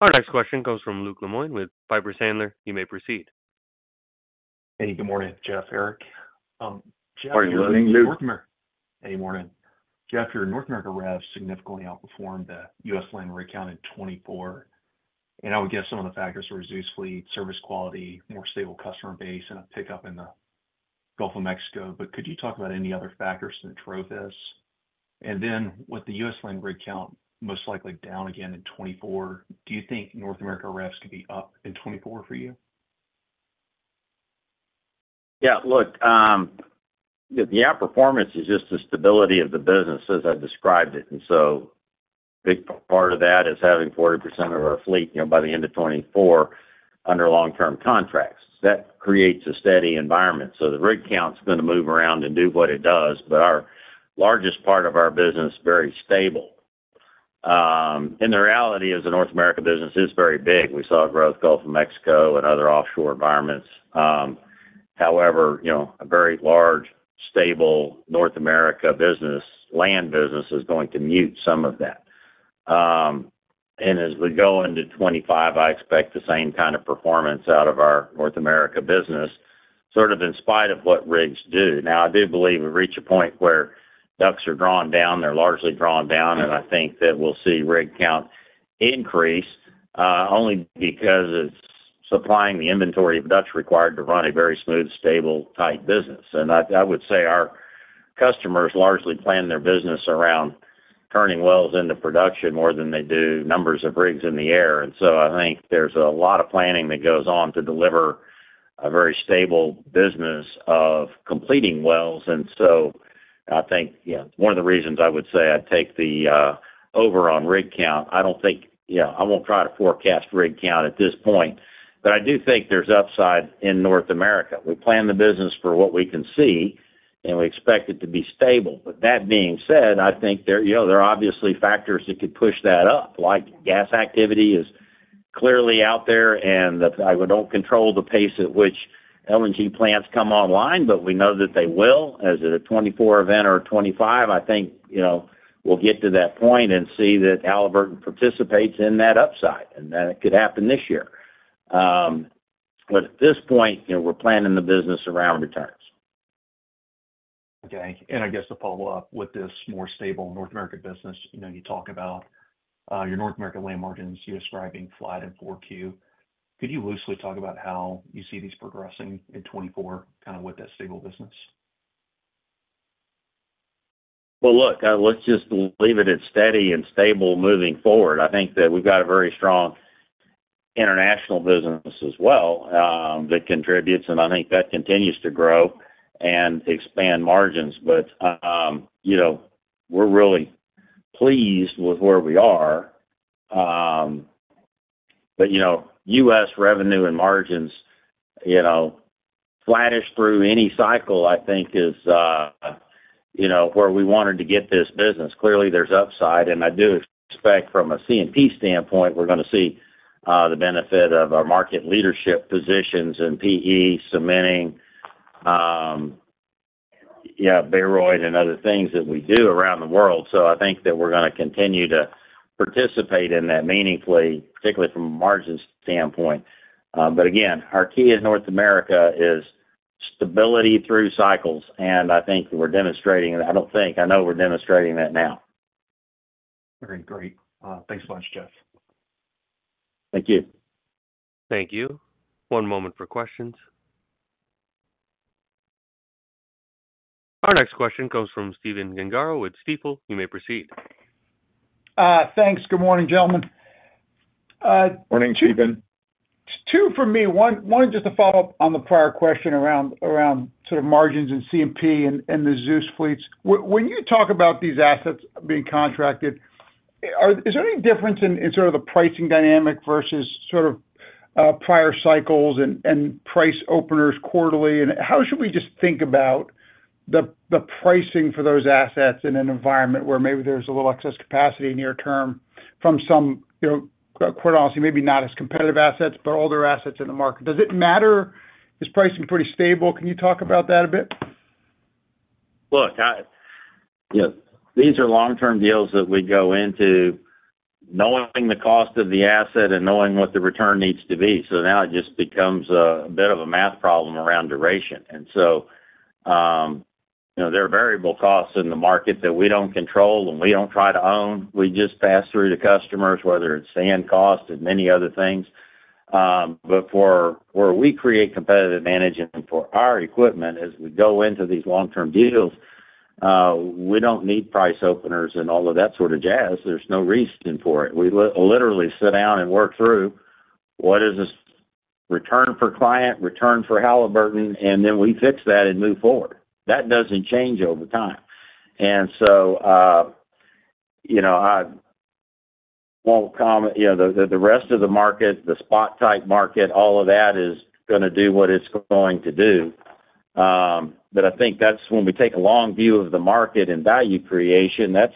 Our next question comes from Luke Lemoine with Piper Sandler. You may proceed. Hey, good morning, Jeff, Eric. Jeff- Morning, Luke. Hey, morning. Jeff, your North America rev significantly outperformed the U.S. land rig count in 2024, and I would guess some of the factors were reduced fleet, service quality, more stable customer base, and a pickup in the Gulf of Mexico. But could you talk about any other factors that drove this? And then, with the U.S. land rig count most likely down again in 2024, do you think North America revs could be up in 2024 for you? Yeah, look, the outperformance is just the stability of the business as I described it. And so a big part of that is having 40% of our fleet, you know, by the end of 2024, under long-term contracts. That creates a steady environment. So the rig count's gonna move around and do what it does, but our largest part of our business, very stable. And the reality is, the North America business is very big. We saw growth Gulf of Mexico and other offshore environments. However, you know, a very large, stable North America business, land business is going to mute some of that. And as we go into 2025, I expect the same kind of performance out of our North America business, sort of in spite of what rigs do. Now, I do believe we've reached a point where DUCs are drawn down, they're largely drawn down, and I think that we'll see rig count increase only because it's supplying the inventory of DUCs required to run a very smooth, stable type business. I would say our customers largely plan their business around turning wells into production more than they do numbers of rigs in the air. So I think there's a lot of planning that goes on to deliver a very stable business of completing wells. So I think, yeah, one of the reasons I would say I'd take the overall rig count. I don't think, you know, I won't try to forecast rig count at this point, but I do think there's upside in North America. We plan the business for what we can see, and we expect it to be stable. But that being said, I think there, you know, there are obviously factors that could push that up, like gas activity is clearly out there, and I don't control the pace at which LNG plants come online, but we know that they will, as at a 2024 event or a 2025, I think, you know, we'll get to that point and see that Halliburton participates in that upside, and that it could happen this year. But at this point, you know, we're planning the business around returns. Okay, and I guess to follow up with this more stable North American business, you know, you talk about your North American land margins, you describing flat in 4Q. Could you loosely talk about how you see these progressing in 2024, kind of with that stable business? Well, look, let's just leave it at steady and stable moving forward. I think that we've got a very strong international business as well, that contributes, and I think that continues to grow and expand margins. But, you know, we're really pleased with where we are. But, you know, U.S. revenue and margins, you know, flattish through any cycle, I think is, you know, where we wanted to get this business. Clearly, there's upside, and I do expect from a C&P standpoint, we're gonna see, the benefit of our market leadership positions in PE, cementing, yeah, Baroid and other things that we do around the world. So I think that we're gonna continue to participate in that meaningfully, particularly from a margins standpoint. But again, our key in North America is stability through cycles, and I think we're demonstrating it. I don't think, I know we're demonstrating that now.... Very great. Thanks so much, Jeff. Thank you. Thank you. One moment for questions. Our next question comes from Stephen Gengaro with Stifel. You may proceed. Thanks. Good morning, gentlemen. Morning, Stephen. Two for me. One, just to follow up on the prior question around sort of margins and C&P and the ZEUS fleets. When you talk about these assets being contracted, is there any difference in sort of the pricing dynamic versus sort of prior cycles and price openers quarterly? And how should we just think about the pricing for those assets in an environment where maybe there's a little excess capacity near term from some, you know, quite honestly, maybe not as competitive assets, but older assets in the market? Does it matter? Is pricing pretty stable? Can you talk about that a bit? Look, you know, these are long-term deals that we go into knowing the cost of the asset and knowing what the return needs to be. So now it just becomes a bit of a math problem around duration. And so, you know, there are variable costs in the market that we don't control, and we don't try to own. We just pass through to customers, whether it's sand costs and many other things. But for where we create competitive advantage and for our equipment, as we go into these long-term deals, we don't need price openers and all of that sort of jazz. There's no reason for it. We literally sit down and work through what is this return for client, return for Halliburton, and then we fix that and move forward. That doesn't change over time. And so, you know, I won't comment, you know, the rest of the market, the spot-type market, all of that is gonna do what it's going to do. But I think that's when we take a long view of the market and value creation, that's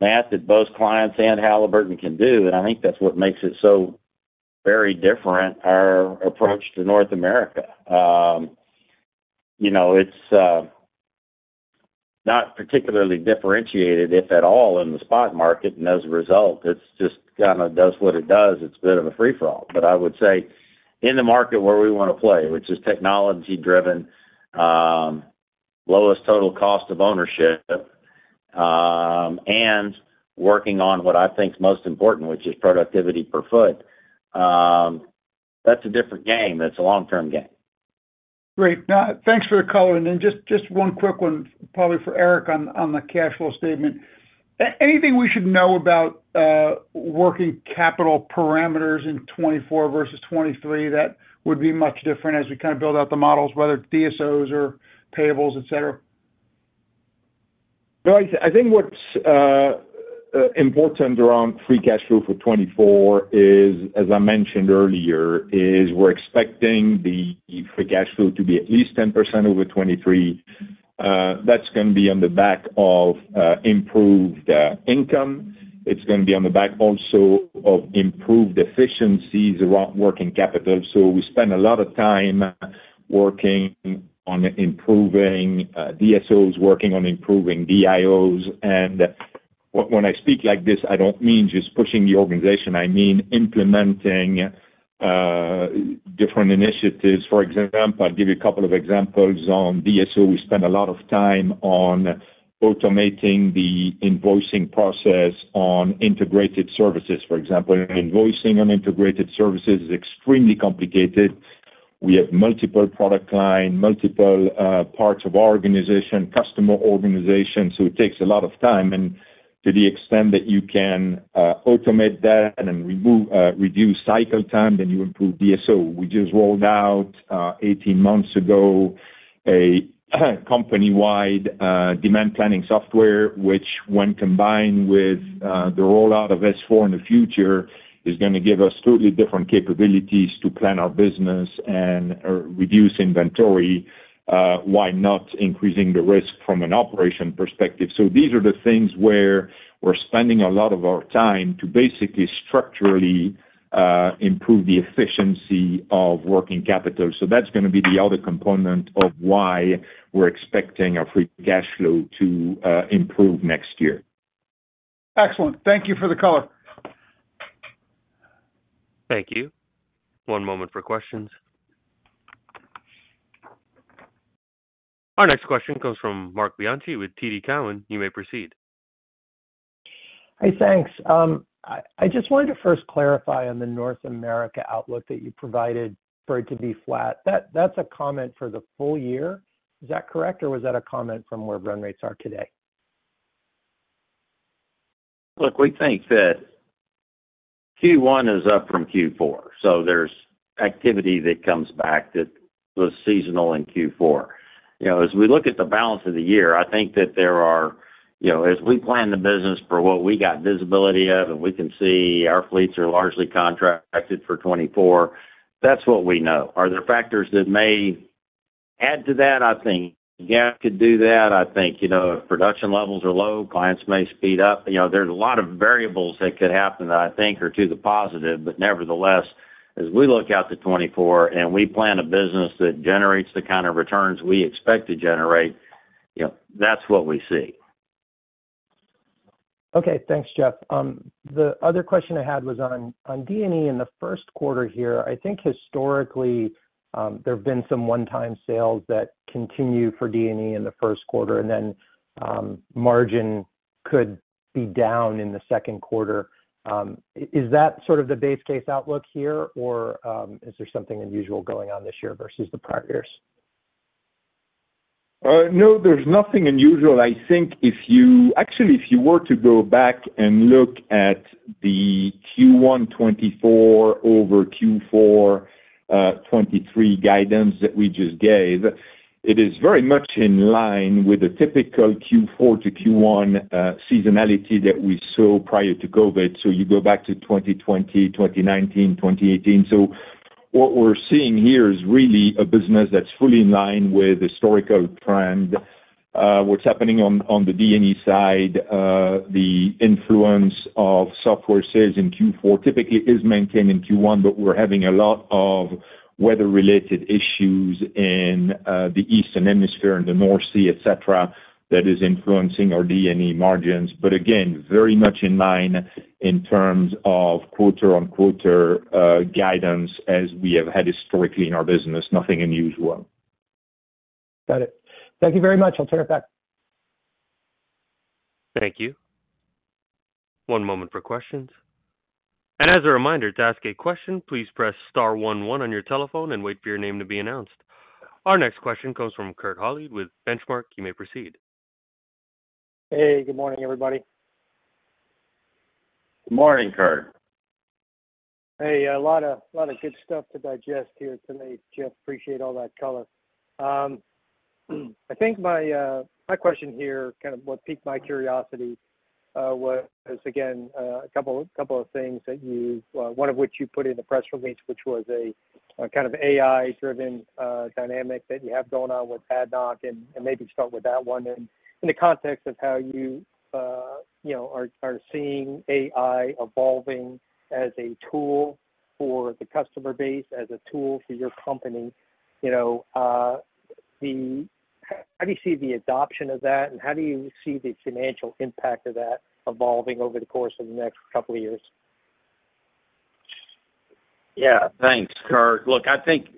math that both clients and Halliburton can do, and I think that's what makes it so very different, our approach to North America. You know, it's not particularly differentiated, if at all, in the spot market, and as a result, it's just kind of does what it does. It's a bit of a free-for-all. But I would say, in the market where we wanna play, which is technology-driven, lowest total cost of ownership, and working on what I think is most important, which is productivity per foot, that's a different game. That's a long-term game. Great. Thanks for the color. And then just, just one quick one, probably for Eric on, on the cash flow statement. Anything we should know about, working capital parameters in 2024 versus 2023 that would be much different as we kind of build out the models, whether DSOs or payables, et cetera? No, I, I think what's important around free cash flow for 2024 is, as I mentioned earlier, is we're expecting the free cash flow to be at least 10% over 2023. That's gonna be on the back of improved income. It's gonna be on the back also of improved efficiencies around working capital. So we spend a lot of time working on improving DSOs, working on improving DIOs. And when I speak like this, I don't mean just pushing the organization; I mean implementing different initiatives. For example, I'll give you a couple of examples. On DSO, we spend a lot of time on automating the invoicing process on integrated services. For example, invoicing on integrated services is extremely complicated. We have multiple product line, multiple, parts of our organization, customer organization, so it takes a lot of time, and to the extent that you can, automate that and then remove, reduce cycle time, then you improve DSO. We just rolled out, 18 months ago, a, company-wide, demand planning software, which when combined with, the rollout of S/4 in the future, is gonna give us totally different capabilities to plan our business and, or reduce inventory, while not increasing the risk from an operation perspective. So these are the things where we're spending a lot of our time to basically structurally, improve the efficiency of working capital. So that's gonna be the other component of why we're expecting our free cash flow to, improve next year. Excellent. Thank you for the color. Thank you. One moment for questions. Our next question comes from Marc Bianchi with TD Cowen. You may proceed. Hey, thanks. I just wanted to first clarify on the North America outlook that you provided for it to be flat. That's a comment for the full year. Is that correct, or was that a comment from where run rates are today? Look, we think that Q1 is up from Q4, so there's activity that comes back that was seasonal in Q4. You know, as we look at the balance of the year, I think that there are, you know, as we plan the business for what we got visibility of, and we can see our fleets are largely contracted for 2024, that's what we know. Are there factors that may add to that? I think, yeah, could do that. I think, you know, if production levels are low, clients may speed up. You know, there's a lot of variables that could happen that I think are to the positive. But nevertheless, as we look out to 2024, and we plan a business that generates the kind of returns we expect to generate, you know, that's what we see. Okay. Thanks, Jeff. The other question I had was on, on D&E in the first quarter here. I think historically, there have been some one-time sales that continue for D&E in the first quarter, and then, margin... could be down in the second quarter. Is that sort of the base case outlook here, or, is there something unusual going on this year versus the prior years? No, there's nothing unusual. I think if you actually, if you were to go back and look at the Q1 2024 over Q4 2023 guidance that we just gave, it is very much in line with the typical Q4 to Q1 seasonality that we saw prior to COVID. So you go back to 2020, 2019, 2018. So what we're seeing here is really a business that's fully in line with historical trend. What's happening on the D&E side, the influence of software sales in Q4 typically is maintained in Q1, but we're having a lot of weather-related issues in the Eastern Hemisphere, in the North Sea, et cetera, that is influencing our D&E margins. But again, very much in line in terms of quarter-over-quarter guidance as we have had historically in our business. Nothing unusual. Got it. Thank you very much. I'll turn it back. Thank you. One moment for questions. As a reminder, to ask a question, please press star one one on your telephone and wait for your name to be announced. Our next question comes from Kurt Hallead with Benchmark. You may proceed. Hey, good morning, everybody. Good morning, Kurt. Hey, a lot of good stuff to digest here today, Jeff. Appreciate all that color. I think my question here, kind of what piqued my curiosity, was, again, a couple of things that you, one of which you put in the press release, which was a kind of AI-driven dynamic that you have going on with ADNOC, and maybe start with that one. In the context of how you, you know, are seeing AI evolving as a tool for the customer base, as a tool for your company, you know, the—how do you see the adoption of that, and how do you see the financial impact of that evolving over the course of the next couple of years? Yeah. Thanks, Kurt. Look, I think,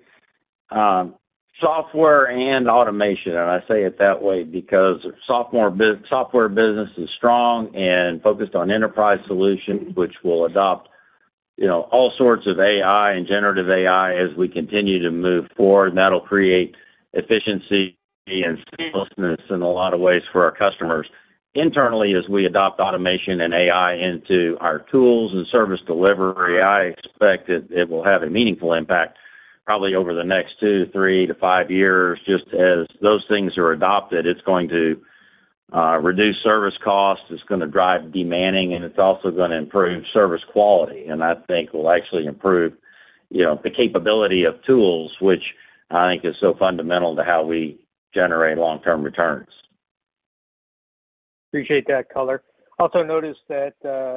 software and automation, and I say it that way because software business is strong and focused on enterprise solution, which will adopt, you know, all sorts of AI and generative AI as we continue to move forward, and that'll create efficiency and seamlessness in a lot of ways for our customers. Internally, as we adopt automation and AI into our tools and service delivery, I expect that it will have a meaningful impact, probably over the next two to three to five years. Just as those things are adopted, it's going to reduce service costs, it's gonna drive de-manning, and it's also gonna improve service quality, and I think will actually improve, you know, the capability of tools, which I think is so fundamental to how we generate long-term returns. Appreciate that color. Also noticed that,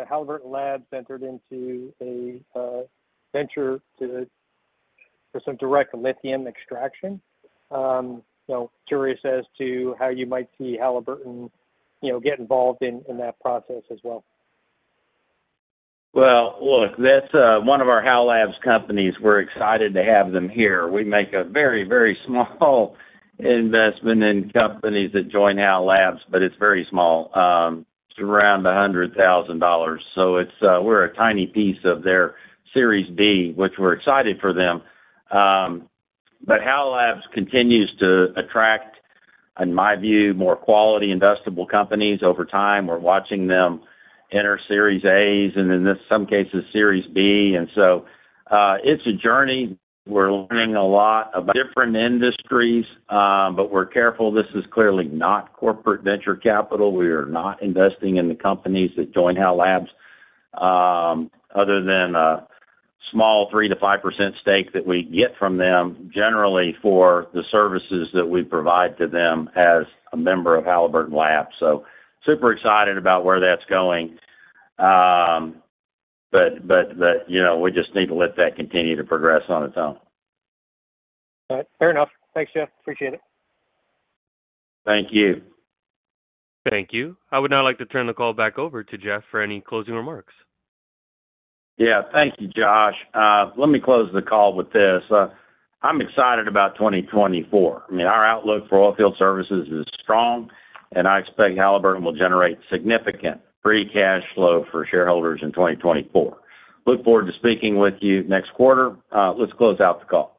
Halliburton Labs entered into a, venture to, for some direct lithium extraction. So curious as to how you might see Halliburton, you know, get involved in that process as well. Well, look, that's one of our Halliburton Labs companies. We're excited to have them here. We make a very, very small investment in companies that join Halliburton Labs, but it's very small. It's around $100,000. So it's we're a tiny piece of their Series B, which we're excited for them. But Halliburton Labs continues to attract, in my view, more quality investable companies over time. We're watching them enter Series As, and in some cases, Series B. And so it's a journey. We're learning a lot about different industries, but we're careful. This is clearly not corporate venture capital. We are not investing in the companies that join Halliburton Labs other than a small 3%-5% stake that we get from them, generally for the services that we provide to them as a member of Halliburton Labs. Super excited about where that's going. But, you know, we just need to let that continue to progress on its own. All right. Fair enough. Thanks, Jeff. Appreciate it. Thank you. Thank you. I would now like to turn the call back over to Jeff for any closing remarks. Yeah, thank you, Josh. Let me close the call with this. I'm excited about 2024. I mean, our outlook for oil field services is strong, and I expect Halliburton will generate significant free cash flow for shareholders in 2024. Look forward to speaking with you next quarter. Let's close out the call.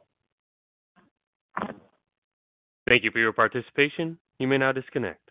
Thank you for your participation. You may now disconnect.